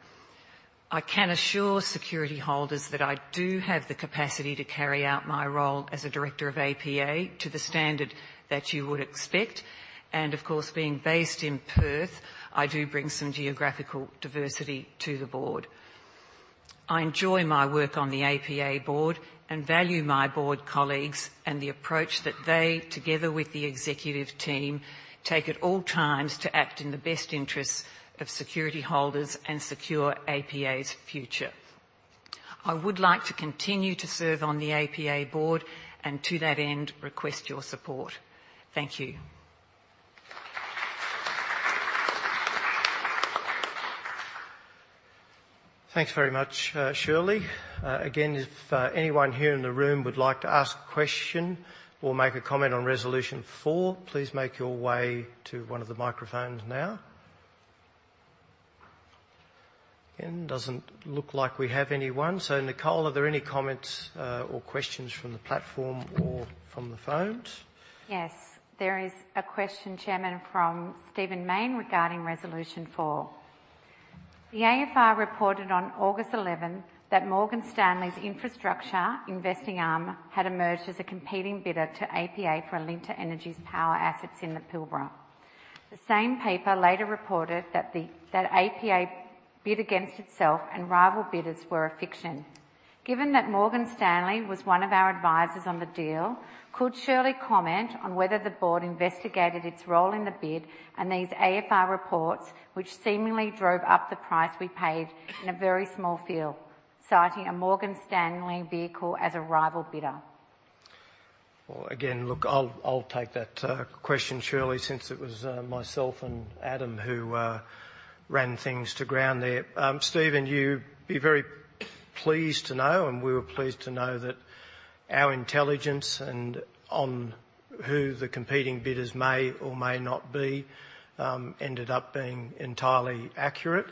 I can assure security holders that I do have the capacity to carry out my role as a director of APA to the standard that you would expect, and of course, being based in Perth, I do bring some geographical diversity to the board. I enjoy my work on the APA board and value my board colleagues and the approach that they, together with the executive team, take at all times to act in the best interests of security holders and secure APA's future. I would like to continue to serve on the APA board, and to that end, request your support. Thank you. Thanks very much, Shirley. Again, if anyone here in the room would like to ask a question or make a comment on Resolution 4, please make your way to one of the microphones now. Again, doesn't look like we have anyone. So, Nicole, are there any comments or questions from the platform or from the phones? Yes, there is a question, Chairman, from Steven Mayne regarding Resolution 4. "The AFR reported on August eleventh that Morgan Stanley's infrastructure investing arm had emerged as a competing bidder to APA for Alinta Energy's power assets in the Pilbara. The same paper later reported that that APA bid against itself and rival bidders were a fiction. Given that Morgan Stanley was one of our advisors on the deal, could Shirley comment on whether the board investigated its role in the bid and these AFR reports, which seemingly drove up the price we paid in a very small field, citing a Morgan Stanley vehicle as a rival bidder? Well, again, look, I'll take that question, Shirley, since it was myself and Adam who ran things to ground there. Steven, you'd be very pleased to know, and we were pleased to know, that our intelligence and on who the competing bidders may or may not be, ended up being entirely accurate.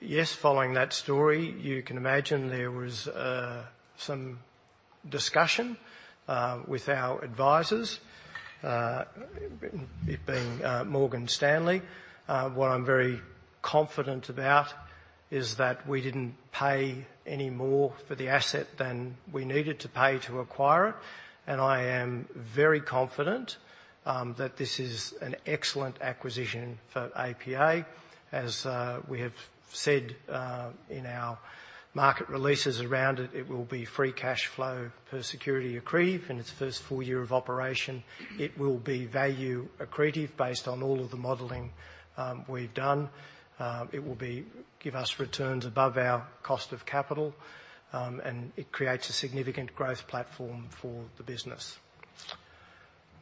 Yes, following that story, you can imagine there was some discussion with our advisors, it being Morgan Stanley. What I'm very confident about is that we didn't pay any more for the asset than we needed to pay to acquire it, and I am very confident that this is an excellent acquisition for APA. As we have said in our market releases around it, it will be free cash flow per security accreted in its first full year of operation. It will be value accretive based on all of the modeling we've done. It will give us returns above our cost of capital, and it creates a significant growth platform for the business.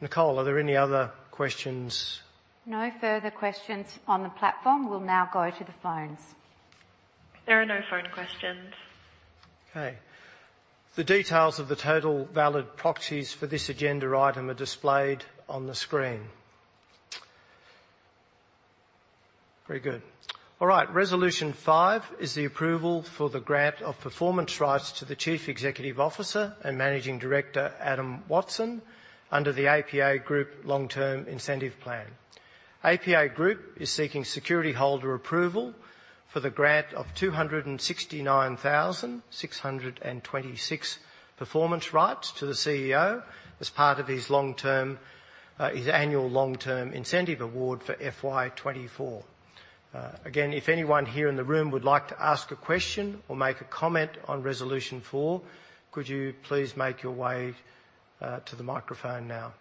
Nicole, are there any other questions? No further questions on the platform. We'll now go to the phones. There are no phone questions. Okay. The details of the total valid proxies for this agenda item are displayed on the screen. Very good. All right. Resolution 5 is the approval for the grant of performance rights to the Chief Executive Officer and Managing Director, Adam Watson, under the APA Group Long-Term Incentive Plan. APA Group is seeking security holder approval for the grant of 269,626 performance rights to the CEO as part of his long-term, his annual long-term incentive award for FY 2024. Again, if anyone here in the room would like to ask a question or make a comment on Resolution 4, could you please make your way to the microphone now?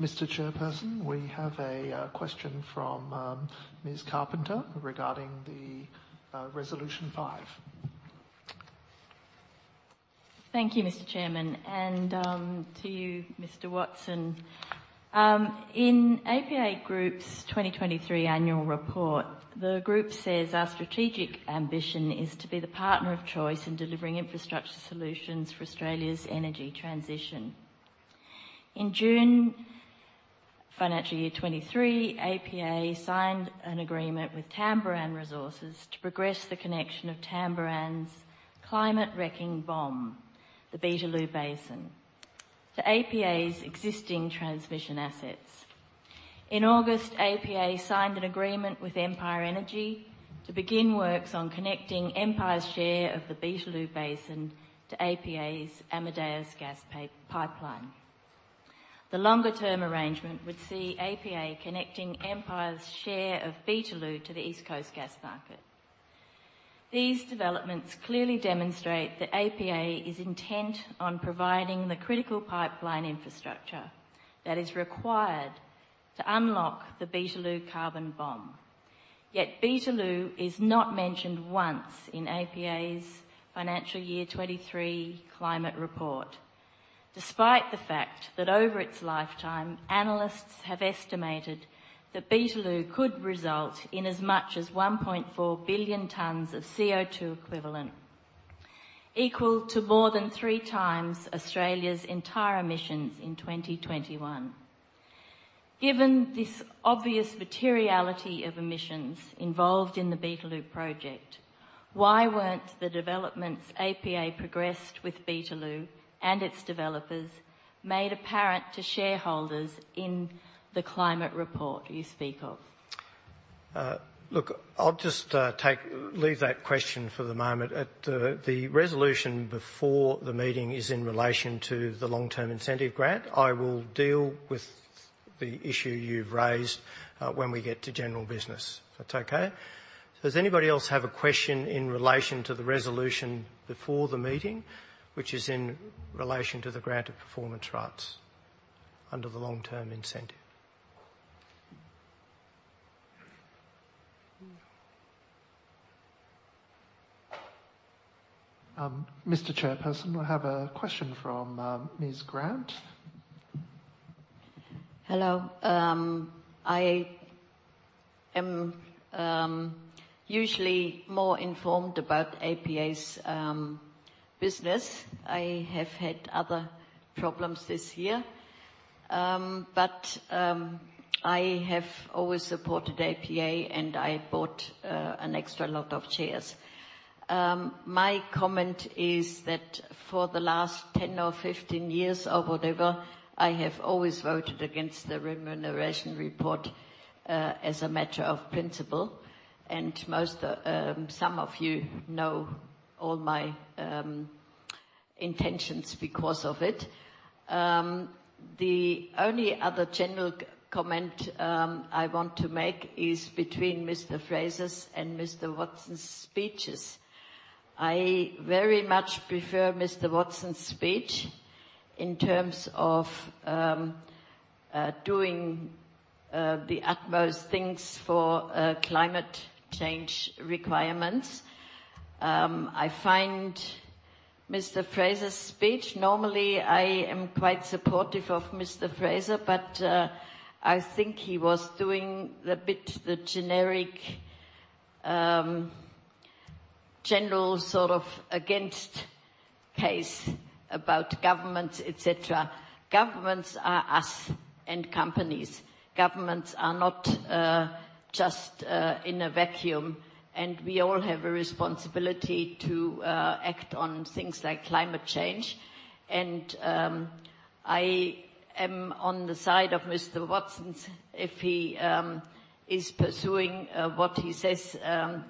Mr. Chairperson, we have a question from Ms. Carpenter regarding the Resolution 5. Thank you, Mr. Chairman, and, to you, Mr. Watson. In APA Group's 2023 annual report, the group says: "Our strategic ambition is to be the partner of choice in delivering infrastructure solutions for Australia's energy transition." In June, financial year 2023, APA signed an agreement with Tamboran Resources to progress the connection of Tamboran's climate-wrecking bomb, the Beetaloo Basin, to APA's existing transmission assets. In August, APA signed an agreement with Empire Energy to begin works on connecting Empire's share of the Beetaloo Basin to APA's Amadeus Gas Pipeline. The longer-term arrangement would see APA connecting Empire's share of Beetaloo to the East Coast gas market. These developments clearly demonstrate that APA is intent on providing the critical pipeline infrastructure that is required to unlock the Beetaloo carbon bomb. Yet, Beetaloo is not mentioned once in APA's financial year 2023 climate report, despite the fact that over its lifetime, analysts have estimated that Beetaloo could result in as much as 1.4 billion tons of CO2 equivalent, equal to more than 3x Australia's entire emissions in 2021. Given this obvious materiality of emissions involved in the Beetaloo project, why weren't the developments APA progressed with Beetaloo and its developers made apparent to shareholders in the climate report you speak of? Look, I'll just leave that question for the moment. At the resolution before the meeting is in relation to the long-term incentive grant. I will deal with the issue you've raised, when we get to general business, if that's okay? Does anybody else have a question in relation to the resolution before the meeting, which is in relation to the grant of performance rights under the long-term incentive? Mr. Chairperson, I have a question from, Ms. Grant. Hello. I am usually more informed about APA's business. I have had other problems this year. But I have always supported APA, and I bought an extra lot of shares. My comment is that for the last 10 or 15 years, or whatever, I have always voted against the remuneration report, as a matter of principle, and some of you know all my intentions because of it. The only other general comment I want to make is between Mr. Fraser's and Mr. Watson's speeches. I very much prefer Mr. Watson's speech in terms of doing the utmost things for climate change requirements. I find Mr. Fraser's speech, normally I am quite supportive of Mr. Fraser, but I think he was doing the bit, the generic, general sort of against case about governments, et cetera. Governments are us and companies. Governments are not just in a vacuum, and we all have a responsibility to act on things like climate change. I am on the side of Mr. Watson. If he is pursuing what he says APA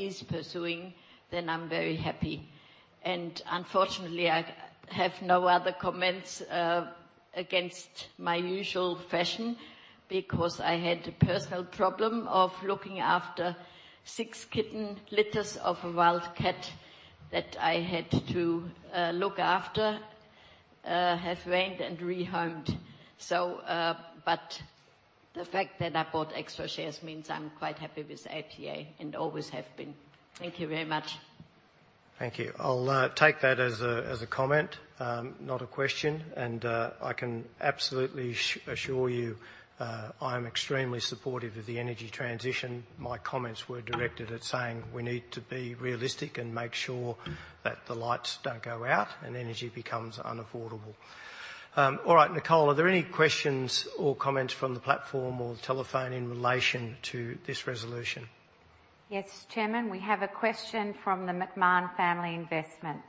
is pursuing, then I'm very happy. Unfortunately, I have no other comments against my usual fashion, because I had a personal problem of looking after six kitten litters of a wild cat that I had to look after, have weaned and rehomed. But the fact that I bought extra shares means I'm quite happy with APA and always have been. Thank you very much. Thank you. I'll take that as a comment, not a question, and I can absolutely assure you I am extremely supportive of the energy transition. My comments were directed at saying we need to be realistic and make sure that the lights don't go out and energy becomes unaffordable. All right, Nicole, are there any questions or comments from the platform or the telephone in relation to this resolution? Yes, Chairman, we have a question from the McMahon Family Investments.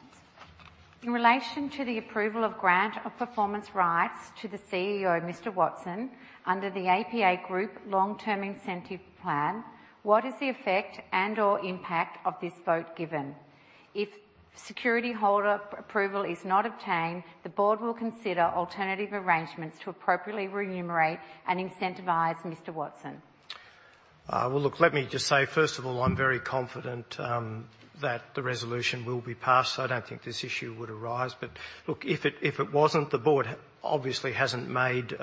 In relation to the approval of grant of performance rights to the CEO, Mr. Watson, under the APA Group long-term incentive plan, what is the effect and/or impact of this vote given? If security holder approval is not obtained, the board will consider alternative arrangements to appropriately remunerate and incentivize Mr. Watson. Well, look, let me just say, first of all, I'm very confident that the resolution will be passed, so I don't think this issue would arise. But look, if it wasn't, the board obviously hasn't made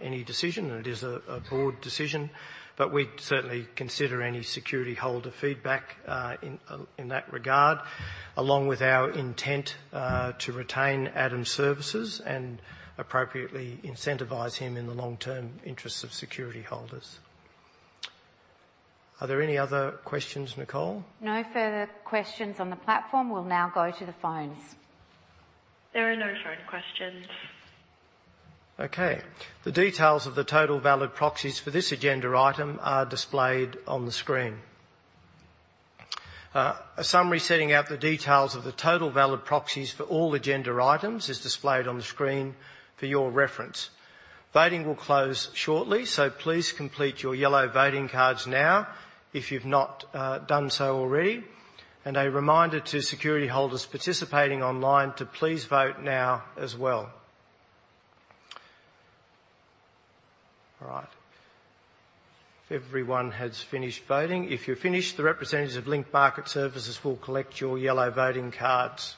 any decision, and it is a board decision. But we'd certainly consider any security holder feedback in that regard, along with our intent to retain Adam's services and appropriately incentivize him in the long-term interests of security holders. Are there any other questions, Nicole? No further questions on the platform. We'll now go to the phones. There are no phone questions. Okay. The details of the total valid proxies for this agenda item are displayed on the screen. A summary setting out the details of the total valid proxies for all agenda items is displayed on the screen for your reference. Voting will close shortly, so please complete your yellow voting cards now, if you've not done so already. A reminder to security holders participating online to please vote now as well. All right. If everyone has finished voting, if you're finished, the representatives of Link Market Services will collect your yellow voting cards.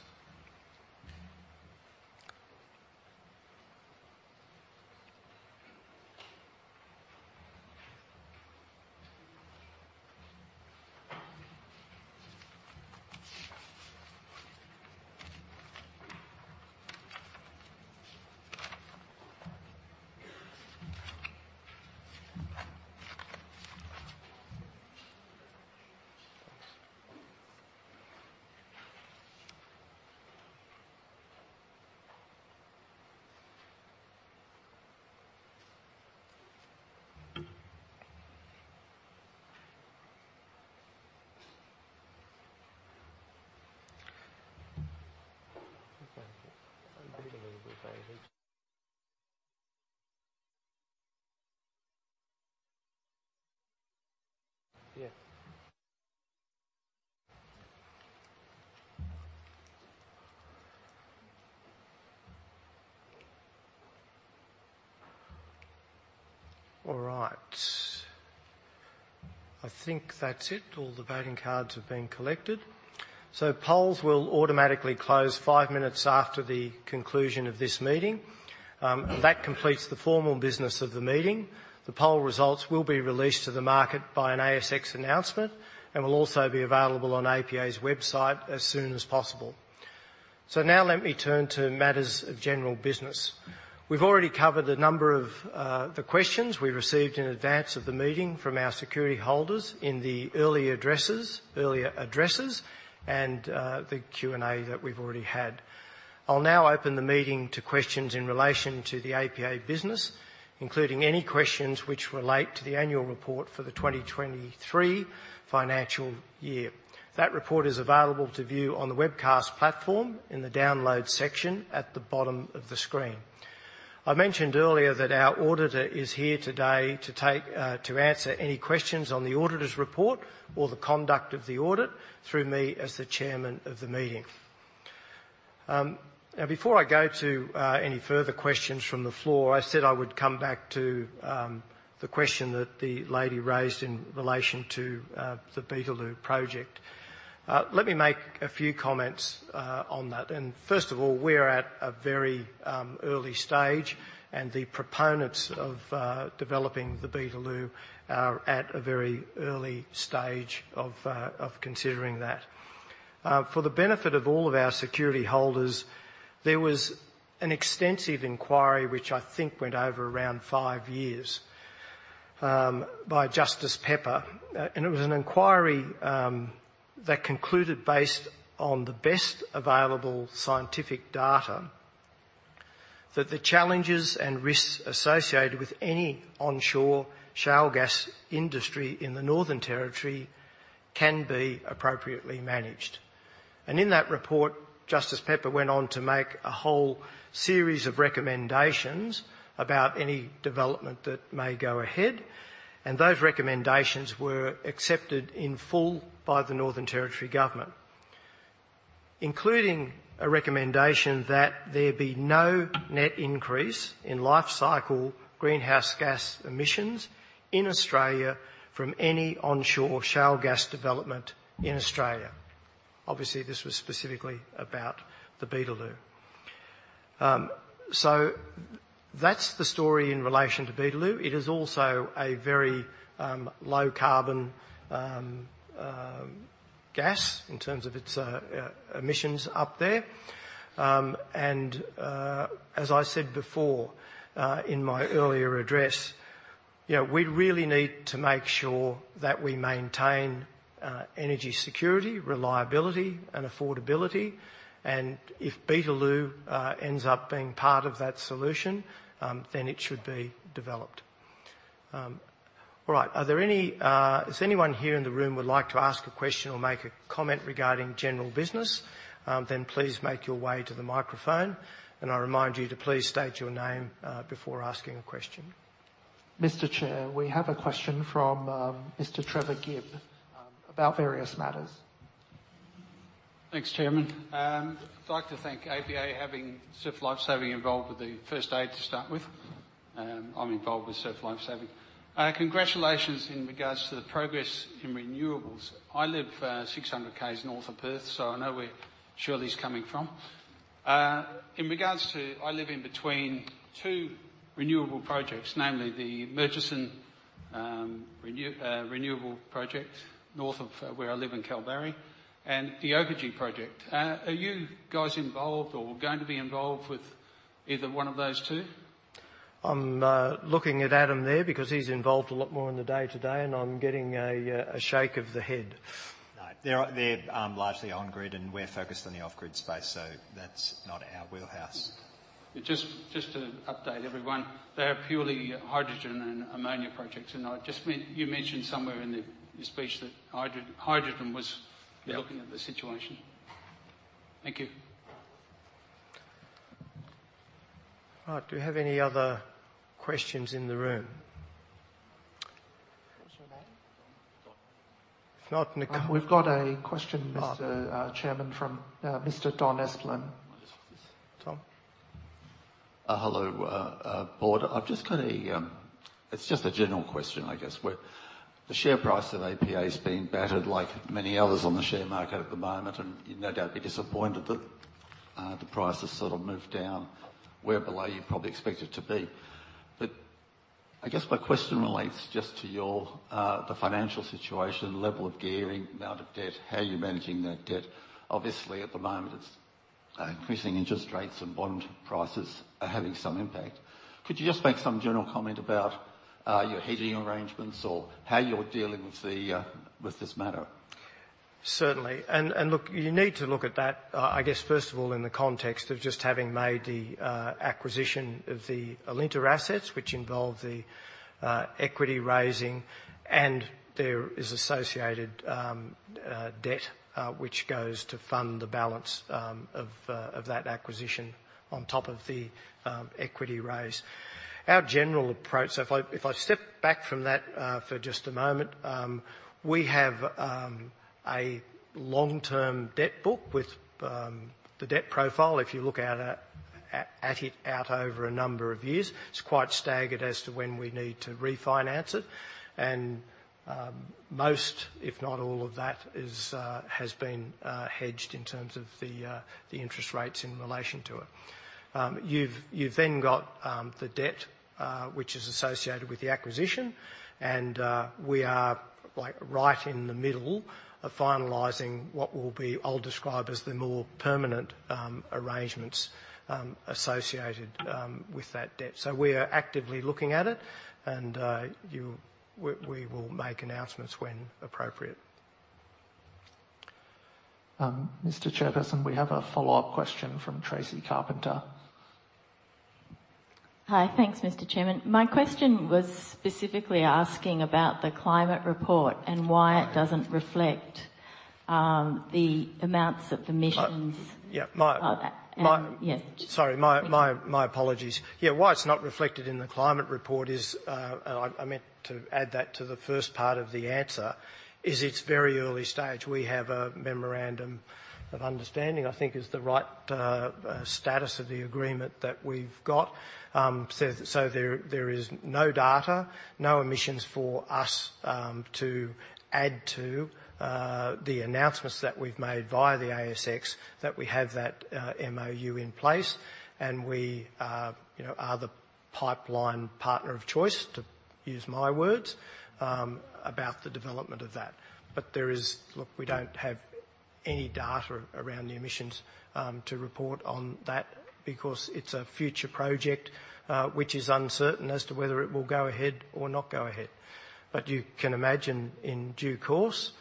All right. I think that's it. All the voting cards have been collected. Polls will automatically close five minutes after the conclusion of this meeting. That completes the formal business of the meeting. The poll results will be released to the market by an ASX announcement and will also be available on APA's website as soon as possible. So now let me turn to matters of general business. We've already covered a number of the questions we received in advance of the meeting from our security holders in the earlier addresses, earlier addresses and the Q&A that we've already had. I'll now open the meeting to questions in relation to the APA business, including any questions which relate to the annual report for the 2023 financial year. That report is available to view on the webcast platform in the Download section at the bottom of the screen. I mentioned earlier that our auditor is here today to answer any questions on the auditor's report or the conduct of the audit through me as the Chairman of the meeting. Now, before I go to any further questions from the floor, I said I would come back to the question that the lady raised in relation to the Beetaloo project. Let me make a few comments on that. First of all, we're at a very early stage, and the proponents of developing the Beetaloo are at a very early stage of considering that. For the benefit of all of our security holders, there was an extensive inquiry, which I think went over around five years by Justice Pepper. And it was an inquiry that concluded, based on the best available scientific data, that the challenges and risks associated with any onshore shale gas industry in the Northern Territory can be appropriately managed. And in that report, Justice Pepper went on to make a whole series of recommendations about any development that may go ahead, and those recommendations were accepted in full by the Northern Territory government, including a recommendation that there be no net increase in lifecycle greenhouse gas emissions in Australia from any onshore shale gas development in Australia. Obviously, this was specifically about the Beetaloo. So that's the story in relation to Beetaloo. It is also a very low carbon gas in terms of its emissions up there. And, as I said before, in my earlier address, you know, we really need to make sure that we maintain energy security, reliability, and affordability, and if Beetaloo ends up being part of that solution, then it should be developed. All right. If anyone here in the room would like to ask a question or make a comment regarding general business, then please make your way to the microphone, and I remind you to please state your name before asking a question. Mr. Chair, we have a question from Mr. Trevor Gibb about various matters. Thanks, Chairman. I'd like to thank APA, having Surf Life Saving involved with the first aid to start with. I'm involved with Surf Life Saving. Congratulations in regards to the progress in renewables. I live 600 Ks North of Perth, so I know where Shirley's coming from. In regards to, I live in between two renewable projects, namely the Murchison renewable project, North of where I live in Kalbarri, and the Oakajee project. Are you guys involved or going to be involved with either one of those two? I'm looking at Adam there because he's involved a lot more in the day-to-day, and I'm getting a shake of the head. No, they're largely on grid, and we're focused on the off-grid space, so that's not our wheelhouse. Just to update everyone, they are purely hydrogen and ammonia projects, and you mentioned somewhere in your speech that hydrogen, hydrogen was-Looking at the situation. Thank you. All right. Do we have any other questions in the room? What was your name? We've got a question, Mr. Chairman-from, Mr. Don Esplin. Don. Hello, board. I've just got a, it's just a general question, I guess. Where the share price of APA has been battered like many others on the share market at the moment, and you'd no doubt be disappointed that, the price has sort of moved down way below you probably expect it to be. But I guess my question relates just to your, the financial situation, level of gearing, amount of debt, how you're managing that debt. Obviously, at the moment, it's, increasing interest rates and bond prices are having some impact. Could you just make some general comment about, your hedging arrangements or how you're dealing with the, with this matter? Certainly. And look, you need to look at that, I guess first of all, in the context of just having made the acquisition of the Alinta assets, which involve the equity raising, and there is associated debt, which goes to fund the balance of that acquisition on top of the equity raise. Our general approach, so if I step back from that for just a moment, we have a long-term debt book with the debt profile. If you look at it out over a number of years, it's quite staggered as to when we need to refinance it, and most, if not all of that, has been hedged in terms of the interest rates in relation to it. You've then got the debt which is associated with the acquisition, and we are like right in the middle of finalizing what will be, I'll describe as the more permanent arrangements associated with that debt. So we are actively looking at it, and we will make announcements when appropriate. Mr. Chairperson, we have a follow-up question from Tracy Carpenter. Hi. Thanks, Mr. Chairman. My question was specifically asking about the climate report and why it doesn't reflect the amounts of emissions- Sorry, my apologies. Yeah, why it's not reflected in the climate report is, and I meant to add that to the first part of the answer, is it's very early stage. We have a memorandum of understanding, I think is the right status of the agreement that we've got. So there is no data, no emissions for us to add to the announcements that we've made via the ASX, that we have that MoU in place, and we, you know, are the pipeline partner of choice, to use my words, about the development of that. Look, we don't have any data around the emissions to report on that because it's a future project, which is uncertain as to whether it will go ahead or not go ahead. But you can imagine, in due course,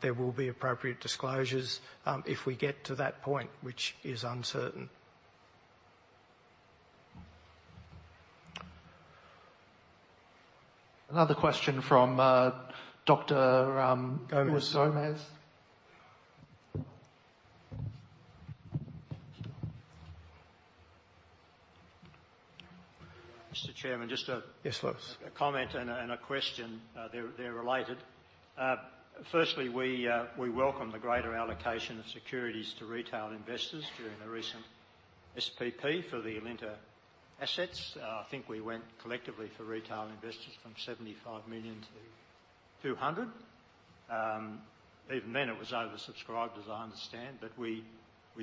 there will be appropriate disclosures, if we get to that point, which is uncertain. Another question from Dr.-Gomez. Louis Gomez. Mr. Chairman, just a comment and a question. They're related. Firstly, we welcome the greater allocation of securities to retail investors during the recent SPP for the Alinta assets. I think we went collectively for retail investors from 75 million to 200 million. Even then, it was oversubscribed, as I understand, but we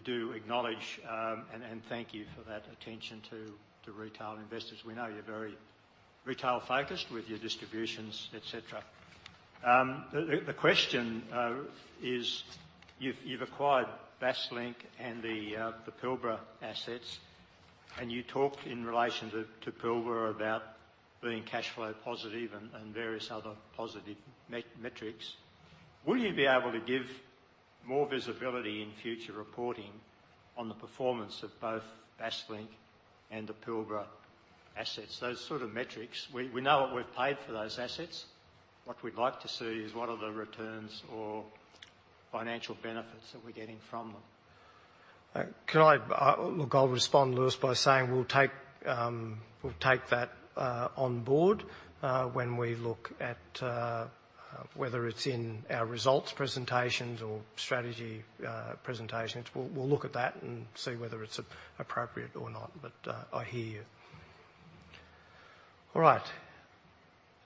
do acknowledge and thank you for that attention to retail investors. We know you're very retail-focused with your distributions, et cetera. The question is you've acquired Basslink and the Pilbara assets, and you talked in relation to Pilbara about being cash flow positive and various other positive metrics. Will you be able to give more visibility in future reporting on the performance of both Basslink and the Pilbara assets? Those sort of metrics. We know what we've paid for those assets. What we'd like to see is what are the returns or financial benefits that we're getting from them? I'll respond, Lewis, by saying we'll take, we'll take that on board when we look at whether it's in our results presentations or strategy presentations. We'll, we'll look at that and see whether it's appropriate or not, but I hear you. All right.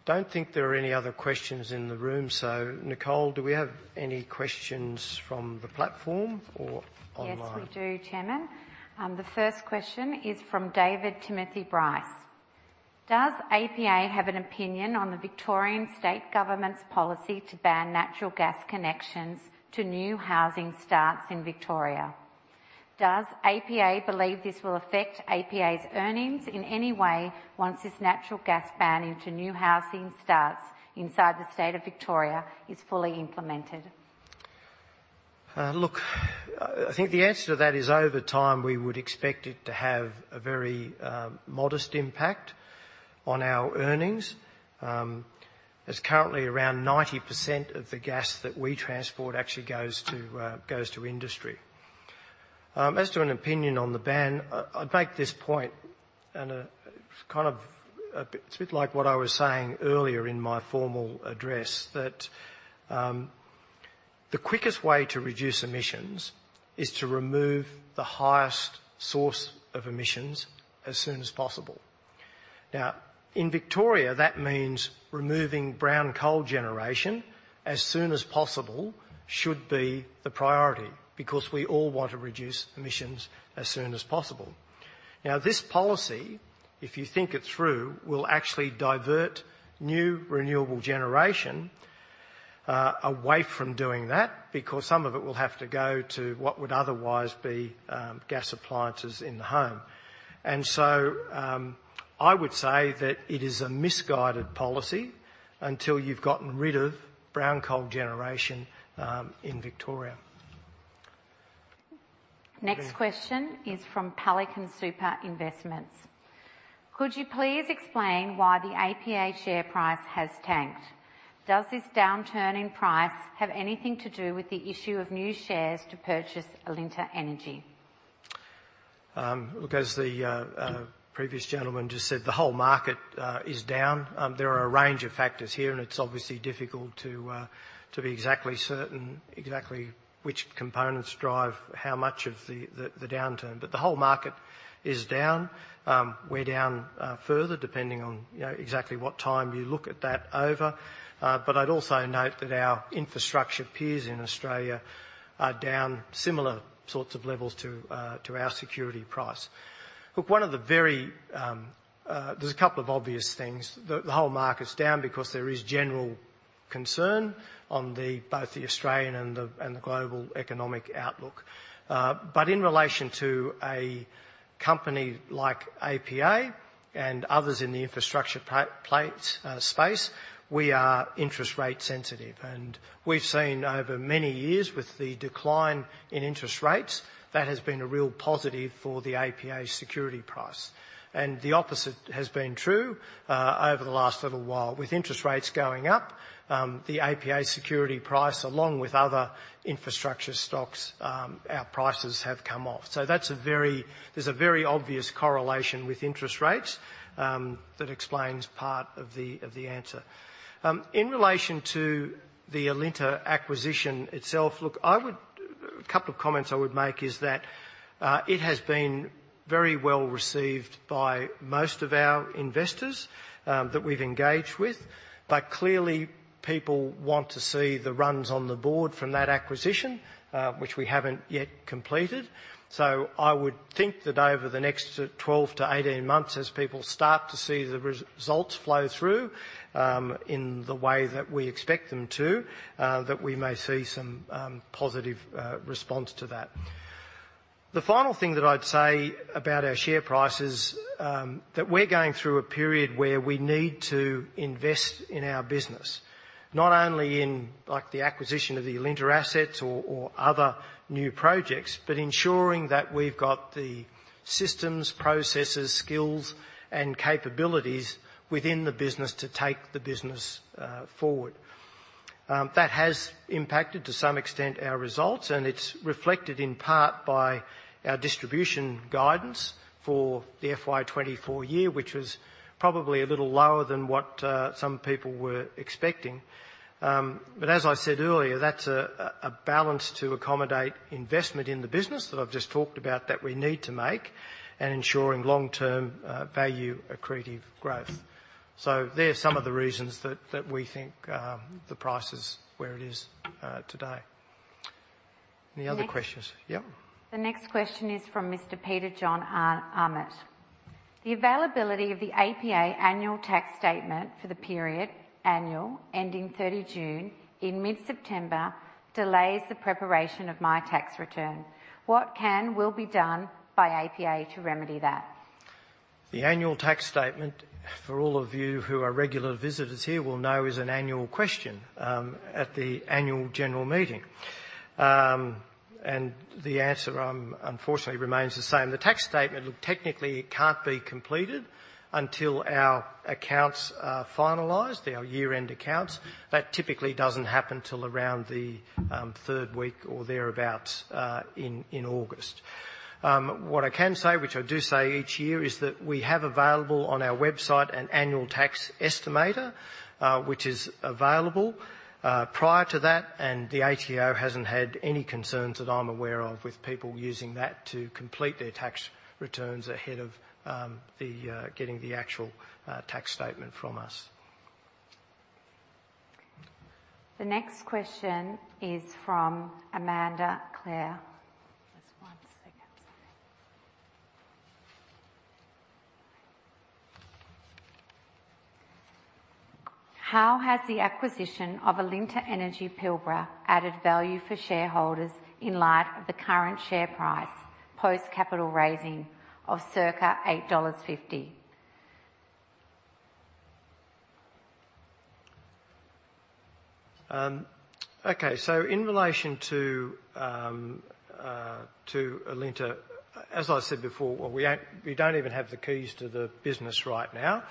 Don't think there are any other questions in the room, so Nicole, do we have any questions from the platform or online? Yes, we do, Chairman. The first question is from David Timothy Bryce: Does APA have an opinion on the Victorian State Government's policy to ban natural gas connections to new housing starts in Victoria? Does APA believe this will affect APA's earnings in any way once this natural gas ban into new housing starts inside the state of Victoria is fully implemented? Look, I think the answer to that is, over time, we would expect it to have a very modest impact on our earnings. As currently, around 90% of the gas that we transport actually goes to industry. As to an opinion on the ban, I'd make this point, and it's kind of, it's a bit like what I was saying earlier in my formal address, that the quickest way to reduce emissions is to remove the highest source of emissions as soon as possible. Now, in Victoria, that means removing brown coal generation as soon as possible should be the priority, because we all want to reduce emissions as soon as possible. Now, this policy, if you think it through, will actually divert new renewable generation away from doing that, because some of it will have to go to what would otherwise be gas appliances in the home. And so, I would say that it is a misguided policy until you've gotten rid of brown coal generation in Victoria. Next question is from Pelican Super Investments: Could you please explain why the APA share price has tanked? Does this downturn in price have anything to do with the issue of new shares to purchase Alinta Energy? Look, as the previous gentleman just said, the whole market is down. There are a range of factors here, and it's obviously difficult to be exactly certain, exactly which components drive how much of the downturn. But the whole market is down. We're down further, depending on, you know, exactly what time you look at that over. But I'd also note that our infrastructure peers in Australia are down similar sorts of levels to our security price. There's a couple of obvious things. The whole market's down because there is general concern on both the Australian and the global economic outlook. But in relation to a company like APA and others in the infrastructure space, we are interest rate sensitive, and we've seen over many years, with the decline in interest rates, that has been a real positive for the APA security price. And the opposite has been true over the last little while. With interest rates going up, the APA security price, along with other infrastructure stocks, our prices have come off. So that's a very obvious correlation with interest rates that explains part of the, of the answer. In relation to the Alinta acquisition itself. A couple of comments I would make is that it has been very well received by most of our investors that we've engaged with, but clearly, people want to see the runs on the board from that acquisition, which we haven't yet completed. So I would think that over the next 12-18 months, as people start to see the results flow through in the way that we expect them to, that we may see some positive response to that. The final thing that I'd say about our share price is that we're going through a period where we need to invest in our business, not only in, like, the acquisition of the Alinta assets or other new projects, but ensuring that we've got the systems, processes, skills, and capabilities within the business to take the business forward. That has impacted, to some extent, our results, and it's reflected in part by our distribution guidance for the FY 2024 year, which was probably a little lower than what some people were expecting. But as I said earlier, that's a balance to accommodate investment in the business that I've just talked about, that we need to make, and ensuring long-term value-accretive growth. So there are some of the reasons that we think the price is where it is today. Any other questions? The next question is from Mr. Peter John Armit: The availability of the APA annual tax statement for the annual period ending 30 June in mid-September delays the preparation of my tax return. What can/will be done by APA to remedy that? The annual tax statement, for all of you who are regular visitors here, will know, is an annual question at the annual general meeting. The answer, unfortunately, remains the same. The tax statement, look, technically, it can't be completed until our accounts are finalized, our year-end accounts. That typically doesn't happen till around the third week or thereabout in August. What I can say, which I do say each year, is that we have available on our website an annual tax estimator, which is available prior to that, and the ATO hasn't had any concerns that I'm aware of with people using that to complete their tax returns ahead of getting the actual tax statement from us. The next question is from Amanda Claire. Just one second. Sorry. How has the acquisition of Alinta Energy Pilbara added value for shareholders in light of the current share price, post capital raising of circa 8.50 dollars? Okay, so in relation to Alinta, as I said before, well, we don't even have the keys to the business right now.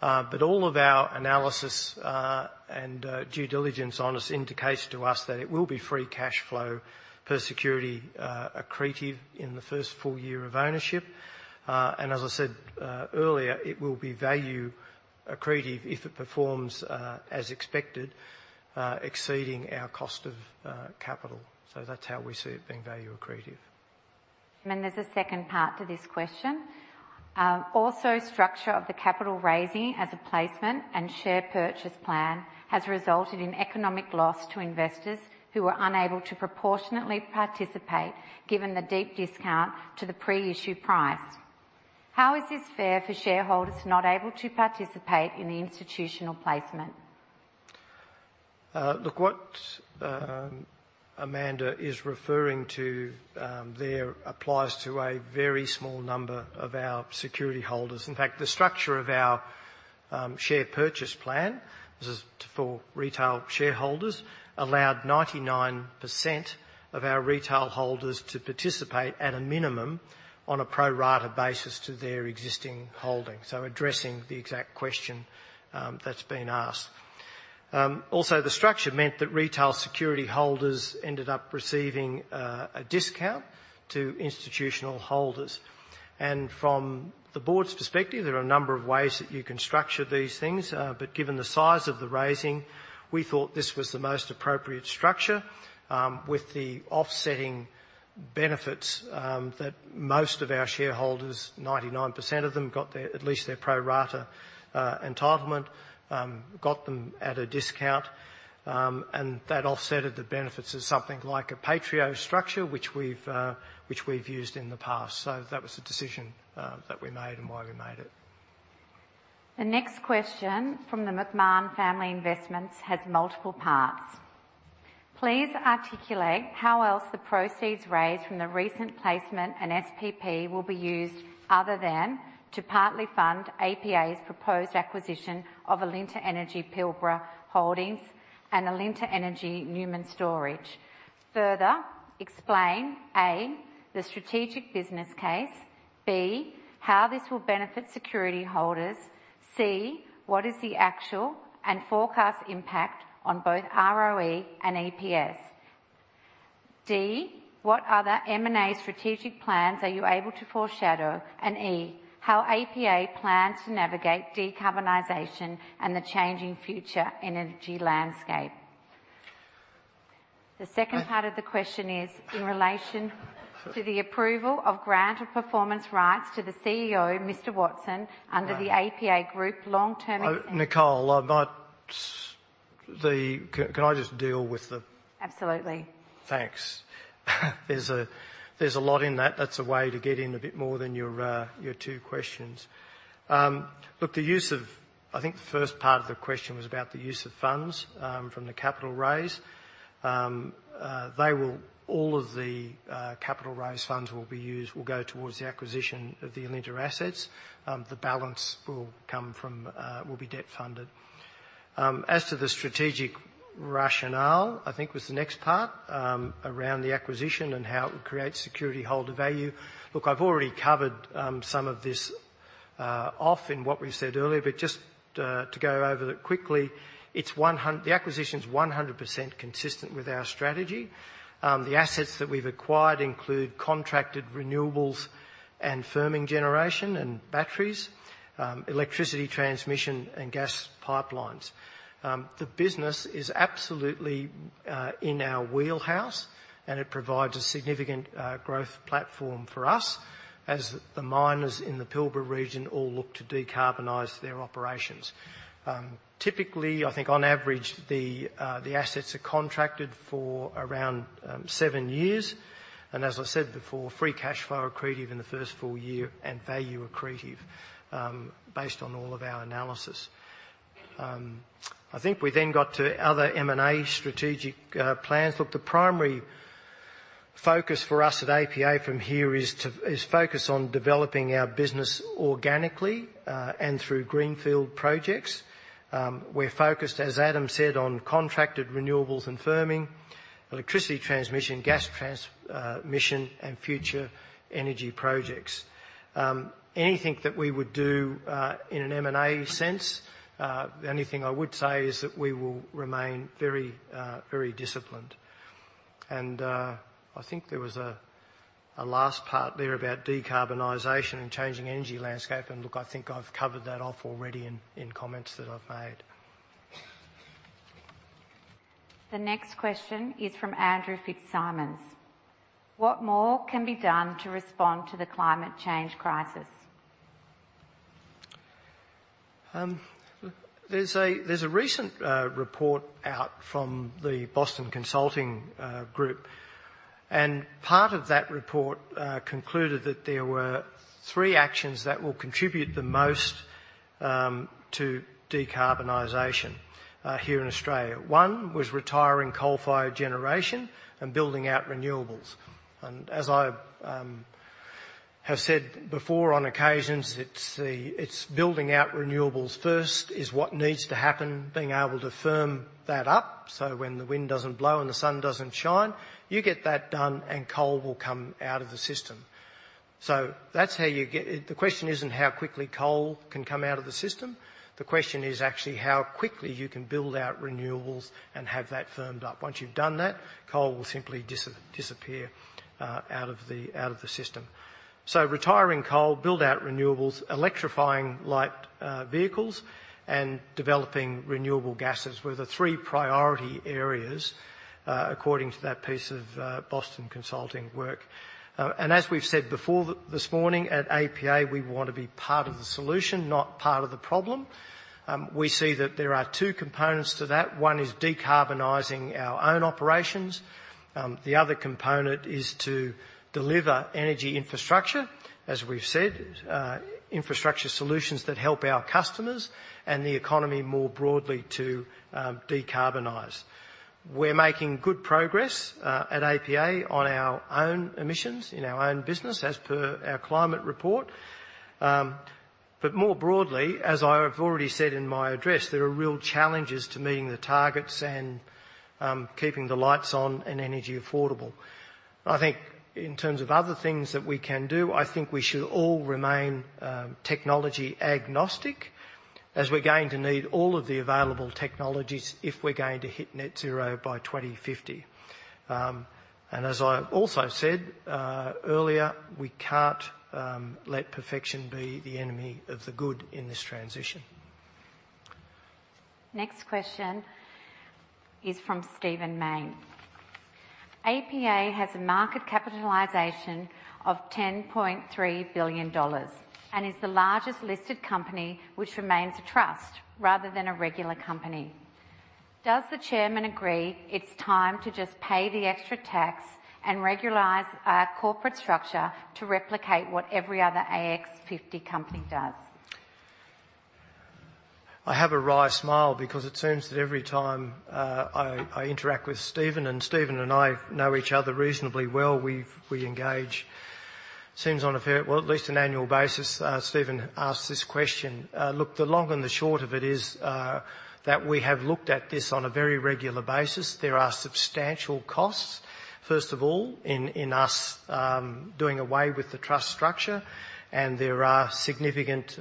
But all of our analysis and due diligence on this indicates to us that it will be free cashflow per security accretive in the first full year of ownership. And as I said earlier, it will be value accretive if it performs as expected, exceeding our cost of capital. So that's how we see it being value accretive. There's a second part to this question. Also, structure of the capital raising as a placement and share purchase plan has resulted in economic loss to investors who were unable to proportionately participate, given the deep discount to the pre-issue price. How is this fair for shareholders not able to participate in the institutional placement? Look, what Amanda is referring to there applies to a very small number of our security holders. In fact, the structure of our share purchase plan, this is for retail shareholders, allowed 99% of our retail holders to participate at a minimum on a pro rata basis to their existing holdings. So addressing the exact question that's been asked. Also, the structure meant that retail security holders ended up receiving a discount to institutional holders. And from the board's perspective, there are a number of ways that you can structure these things, but given the size of the raising, we thought this was the most appropriate structure with the offsetting benefits that most of our shareholders, 99% of them, got their, at least their pro rata entitlement, got them at a discount. That offset the benefits of something like a PAITREO structure, which we've used in the past. That was the decision that we made and why we made it. The next question from the McMahon Family Investments has multiple parts: Please articulate how else the proceeds raised from the recent placement and SPP will be used other than to partly fund APA's proposed acquisition of Alinta Energy Pilbara Holdings and Alinta Energy Newman Storage. Further, explain, A, the strategic business case, B, how this will benefit security holders, C, what is the actual and forecast impact on both ROE and EPS? D, what other M&A strategic plans are you able to foreshadow? And E, how APA plans to navigate decarbonization and the changing future energy landscape. The second part of the question is, in relation to the approval of granted performance rights to the CEO, Mr. Watson, under the APA Group long-term- Nicole, can I just deal with the- Absolutely. Thanks. There's a lot in that. That's a way to get in a bit more than your 2 questions. Look, I think the first part of the question was about the use of funds from the capital raise. They will, all of the capital raise funds will be used, will go towards the acquisition of the Alinta assets. The balance will come from, will be debt-funded. As to the strategic rationale, I think was the next part around the acquisition and how it will create security holder value. Look, I've already covered some of this off in what we've said earlier, but just to go over it quickly, the acquisition is 100% consistent with our strategy. The assets that we've acquired include contracted renewables and firming generation and batteries, electricity transmission, and gas pipelines. The business is absolutely in our wheelhouse, and it provides a significant growth platform for us as the miners in the Pilbara region all look to decarbonize their operations. Typically, I think on average, the assets are contracted for around seven years, and as I said before, free cash flow accretive in the first full year, and value accretive based on all of our analysis. I think we then got to other M&A strategic plans. Look, the primary focus for us at APA from here is to focus on developing our business organically and through greenfield projects. We're focused, as Adam said, on contracted renewables and firming, electricity transmission, and future energy projects. Anything that we would do in an M&A sense, the only thing I would say is that we will remain very, very disciplined. And, I think there was a last part there about decarbonization and changing energy landscape, and look, I think I've covered that off already in comments that I've made. The next question is from Andrew Fitzsimons: What more can be done to respond to the climate change crisis? There's a recent report out from the Boston Consulting Group, and part of that report concluded that there were three actions that will contribute the most to decarbonization here in Australia. One was retiring coal-fired generation and building out renewables. And as I have said before on occasions, it's building out renewables first is what needs to happen, being able to firm that up, so when the wind doesn't blow and the sun doesn't shine, you get that done, and coal will come out of the system. So that's how you get the question isn't how quickly coal can come out of the system. The question is actually how quickly you can build out renewables and have that firmed up. Once you've done that, coal will simply disappear out of the system. So retiring coal, build out renewables, electrifying light vehicles, and developing renewable gases were the three priority areas, according to that piece of Boston Consulting work. And as we've said before this morning, at APA, we want to be part of the solution, not part of the problem. We see that there are two components to that. One is decarbonizing our own operations. The other component is to deliver energy infrastructure, as we've said, infrastructure solutions that help our customers and the economy more broadly to decarbonize. We're making good progress at APA on our own emissions, in our own business, as per our climate report. But more broadly, as I have already said in my address, there are real challenges to meeting the target and keeping the lights on and energy affordable. I think in terms of other things that we can do, I think we should all remain, technology agnostic, as we're going to need all of the available technologies if we're going to hit net zero by 2050. And as I also said, earlier, we can't, let perfection be the enemy of the good in this transition. Next question is from Steven Mayne. APA has a market capitalization of 10.3 billion dollars and is the largest listed company, which remains a trust rather than a regular company. Does the chairman agree it's time to just pay the extra tax and regularize our corporate structure to replicate what every other ASX 50 company does? I have a wry smile because it seems that every time I interact with Steven, and Steven and I know each other reasonably well, we engage. It seems on a fairly, well, at least an annual basis, Steven asks this question. Look, the long and the short of it is that we have looked at this on a very regular basis. There are substantial costs, first of all, in us doing away with the trust structure, and there are significant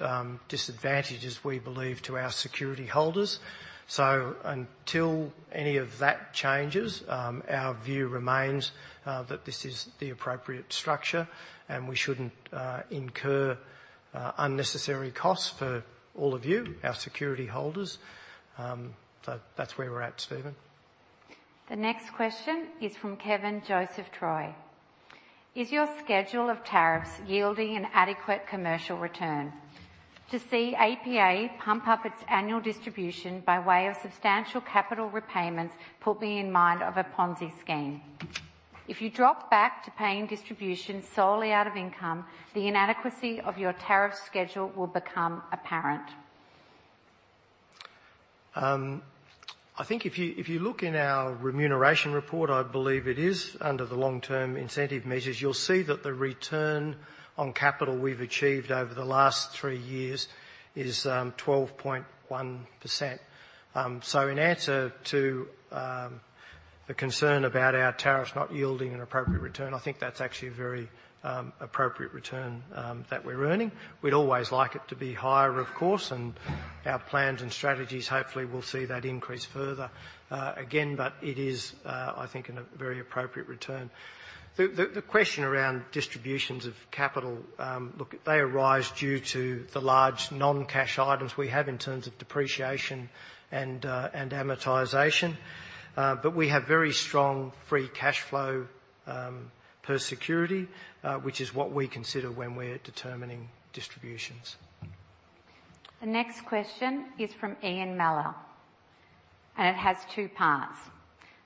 disadvantages, we believe, to our security holders. So until any of that changes, our view remains that this is the appropriate structure, and we shouldn't incur unnecessary costs for all of you, our security holders. So that's where we're at, Steven. The next question is from Kevin Joseph Troy: Is your schedule of tariffs yielding an adequate commercial return? To see APA pump up its annual distribution by way of substantial capital repayments put me in mind of a Ponzi scheme. If you drop back to paying distributions solely out of income, the inadequacy of your tariff schedule will become apparent. I think if you look in our remuneration report, I believe it is under the long-term incentive measures, you'll see that the return on capital we've achieved over the last three years is 12.1%. So in answer to the concern about our tariffs not yielding an appropriate return, I think that's actually a very appropriate return that we're earning. We'd always like it to be higher, of course, and our plans and strategies hopefully will see that increase further, again, but it is, I think, a very appropriate return. The question around distributions of capital, look, they arise due to the large non-cash items we have in terms of depreciation and amortization. But we have very strong free cash flow per security, which is what we consider when we're determining distributions. The next question is from Ian Mellor, and it has two parts.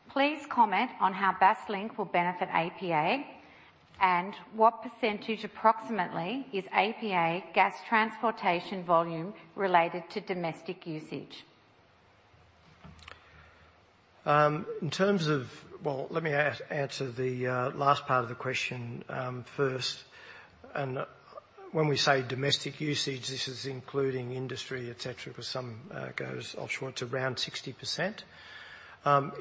Please comment on how Basslink will benefit APA, and what percentage approximately is APA gas transportation volume related to domestic usage? Let me answer the last part of the question first. When we say domestic usage, this is including industry, et cetera, because some goes offshore, it's around 60%.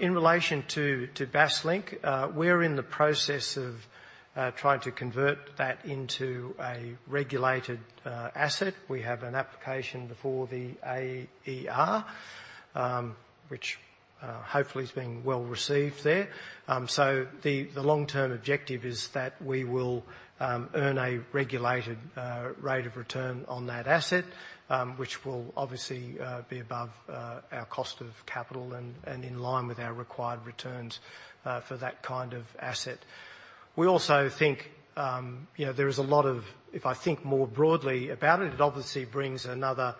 In relation to Basslink, we're in the process of trying to convert that into a regulated asset. We have an application before the AER, which hopefully is being well received there. So the long-term objective is that we will earn a regulated rate of return on that asset, which will obviously be above our cost of capital and in line with our required returns for that kind of asset. If I think more broadly about it, it obviously brings another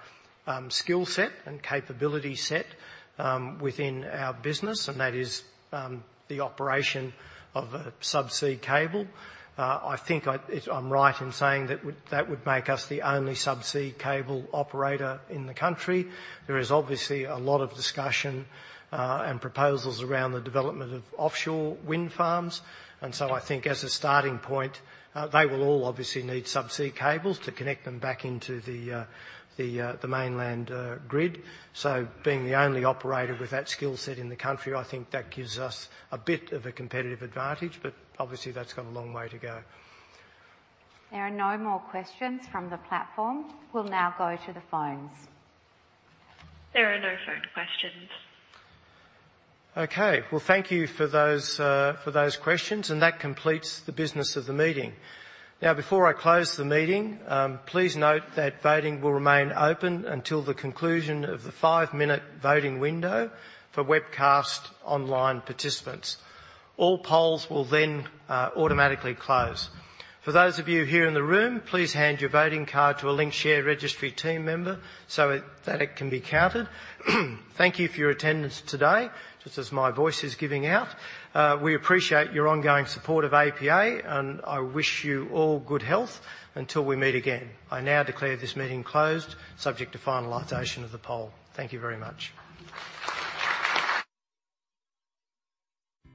skill set and capability set within our business, and that is the operation of a subsea cable. I think I'm right in saying that would make us the only subsea cable operator in the country. There is obviously a lot of discussion and proposals around the development of offshore wind farms, and so I think as a starting point, they will all obviously need subsea cables to connect them back into the mainland grid. So being the only operator with that skill set in the country, I think that gives us a bit of a competitive advantage, but obviously that's got a long way to go. There are no more questions from the platform. We'll now go to the phones. There are no phone questions. Okay. Well, thank you for those, for those questions, and that completes the business of the meeting. Now, before I close the meeting, please note that voting will remain open until the conclusion of the five-minute voting window for webcast online participants. All polls will then, automatically close. For those of you here in the room, please hand your voting card to a Link Market Services team member so it, that it can be counted. Thank you for your attendance today. Just as my voice is giving out, we appreciate your ongoing support of APA, and I wish you all good health until we meet again. I now declare this meeting closed, subject to finalization of the poll. Thank you very much.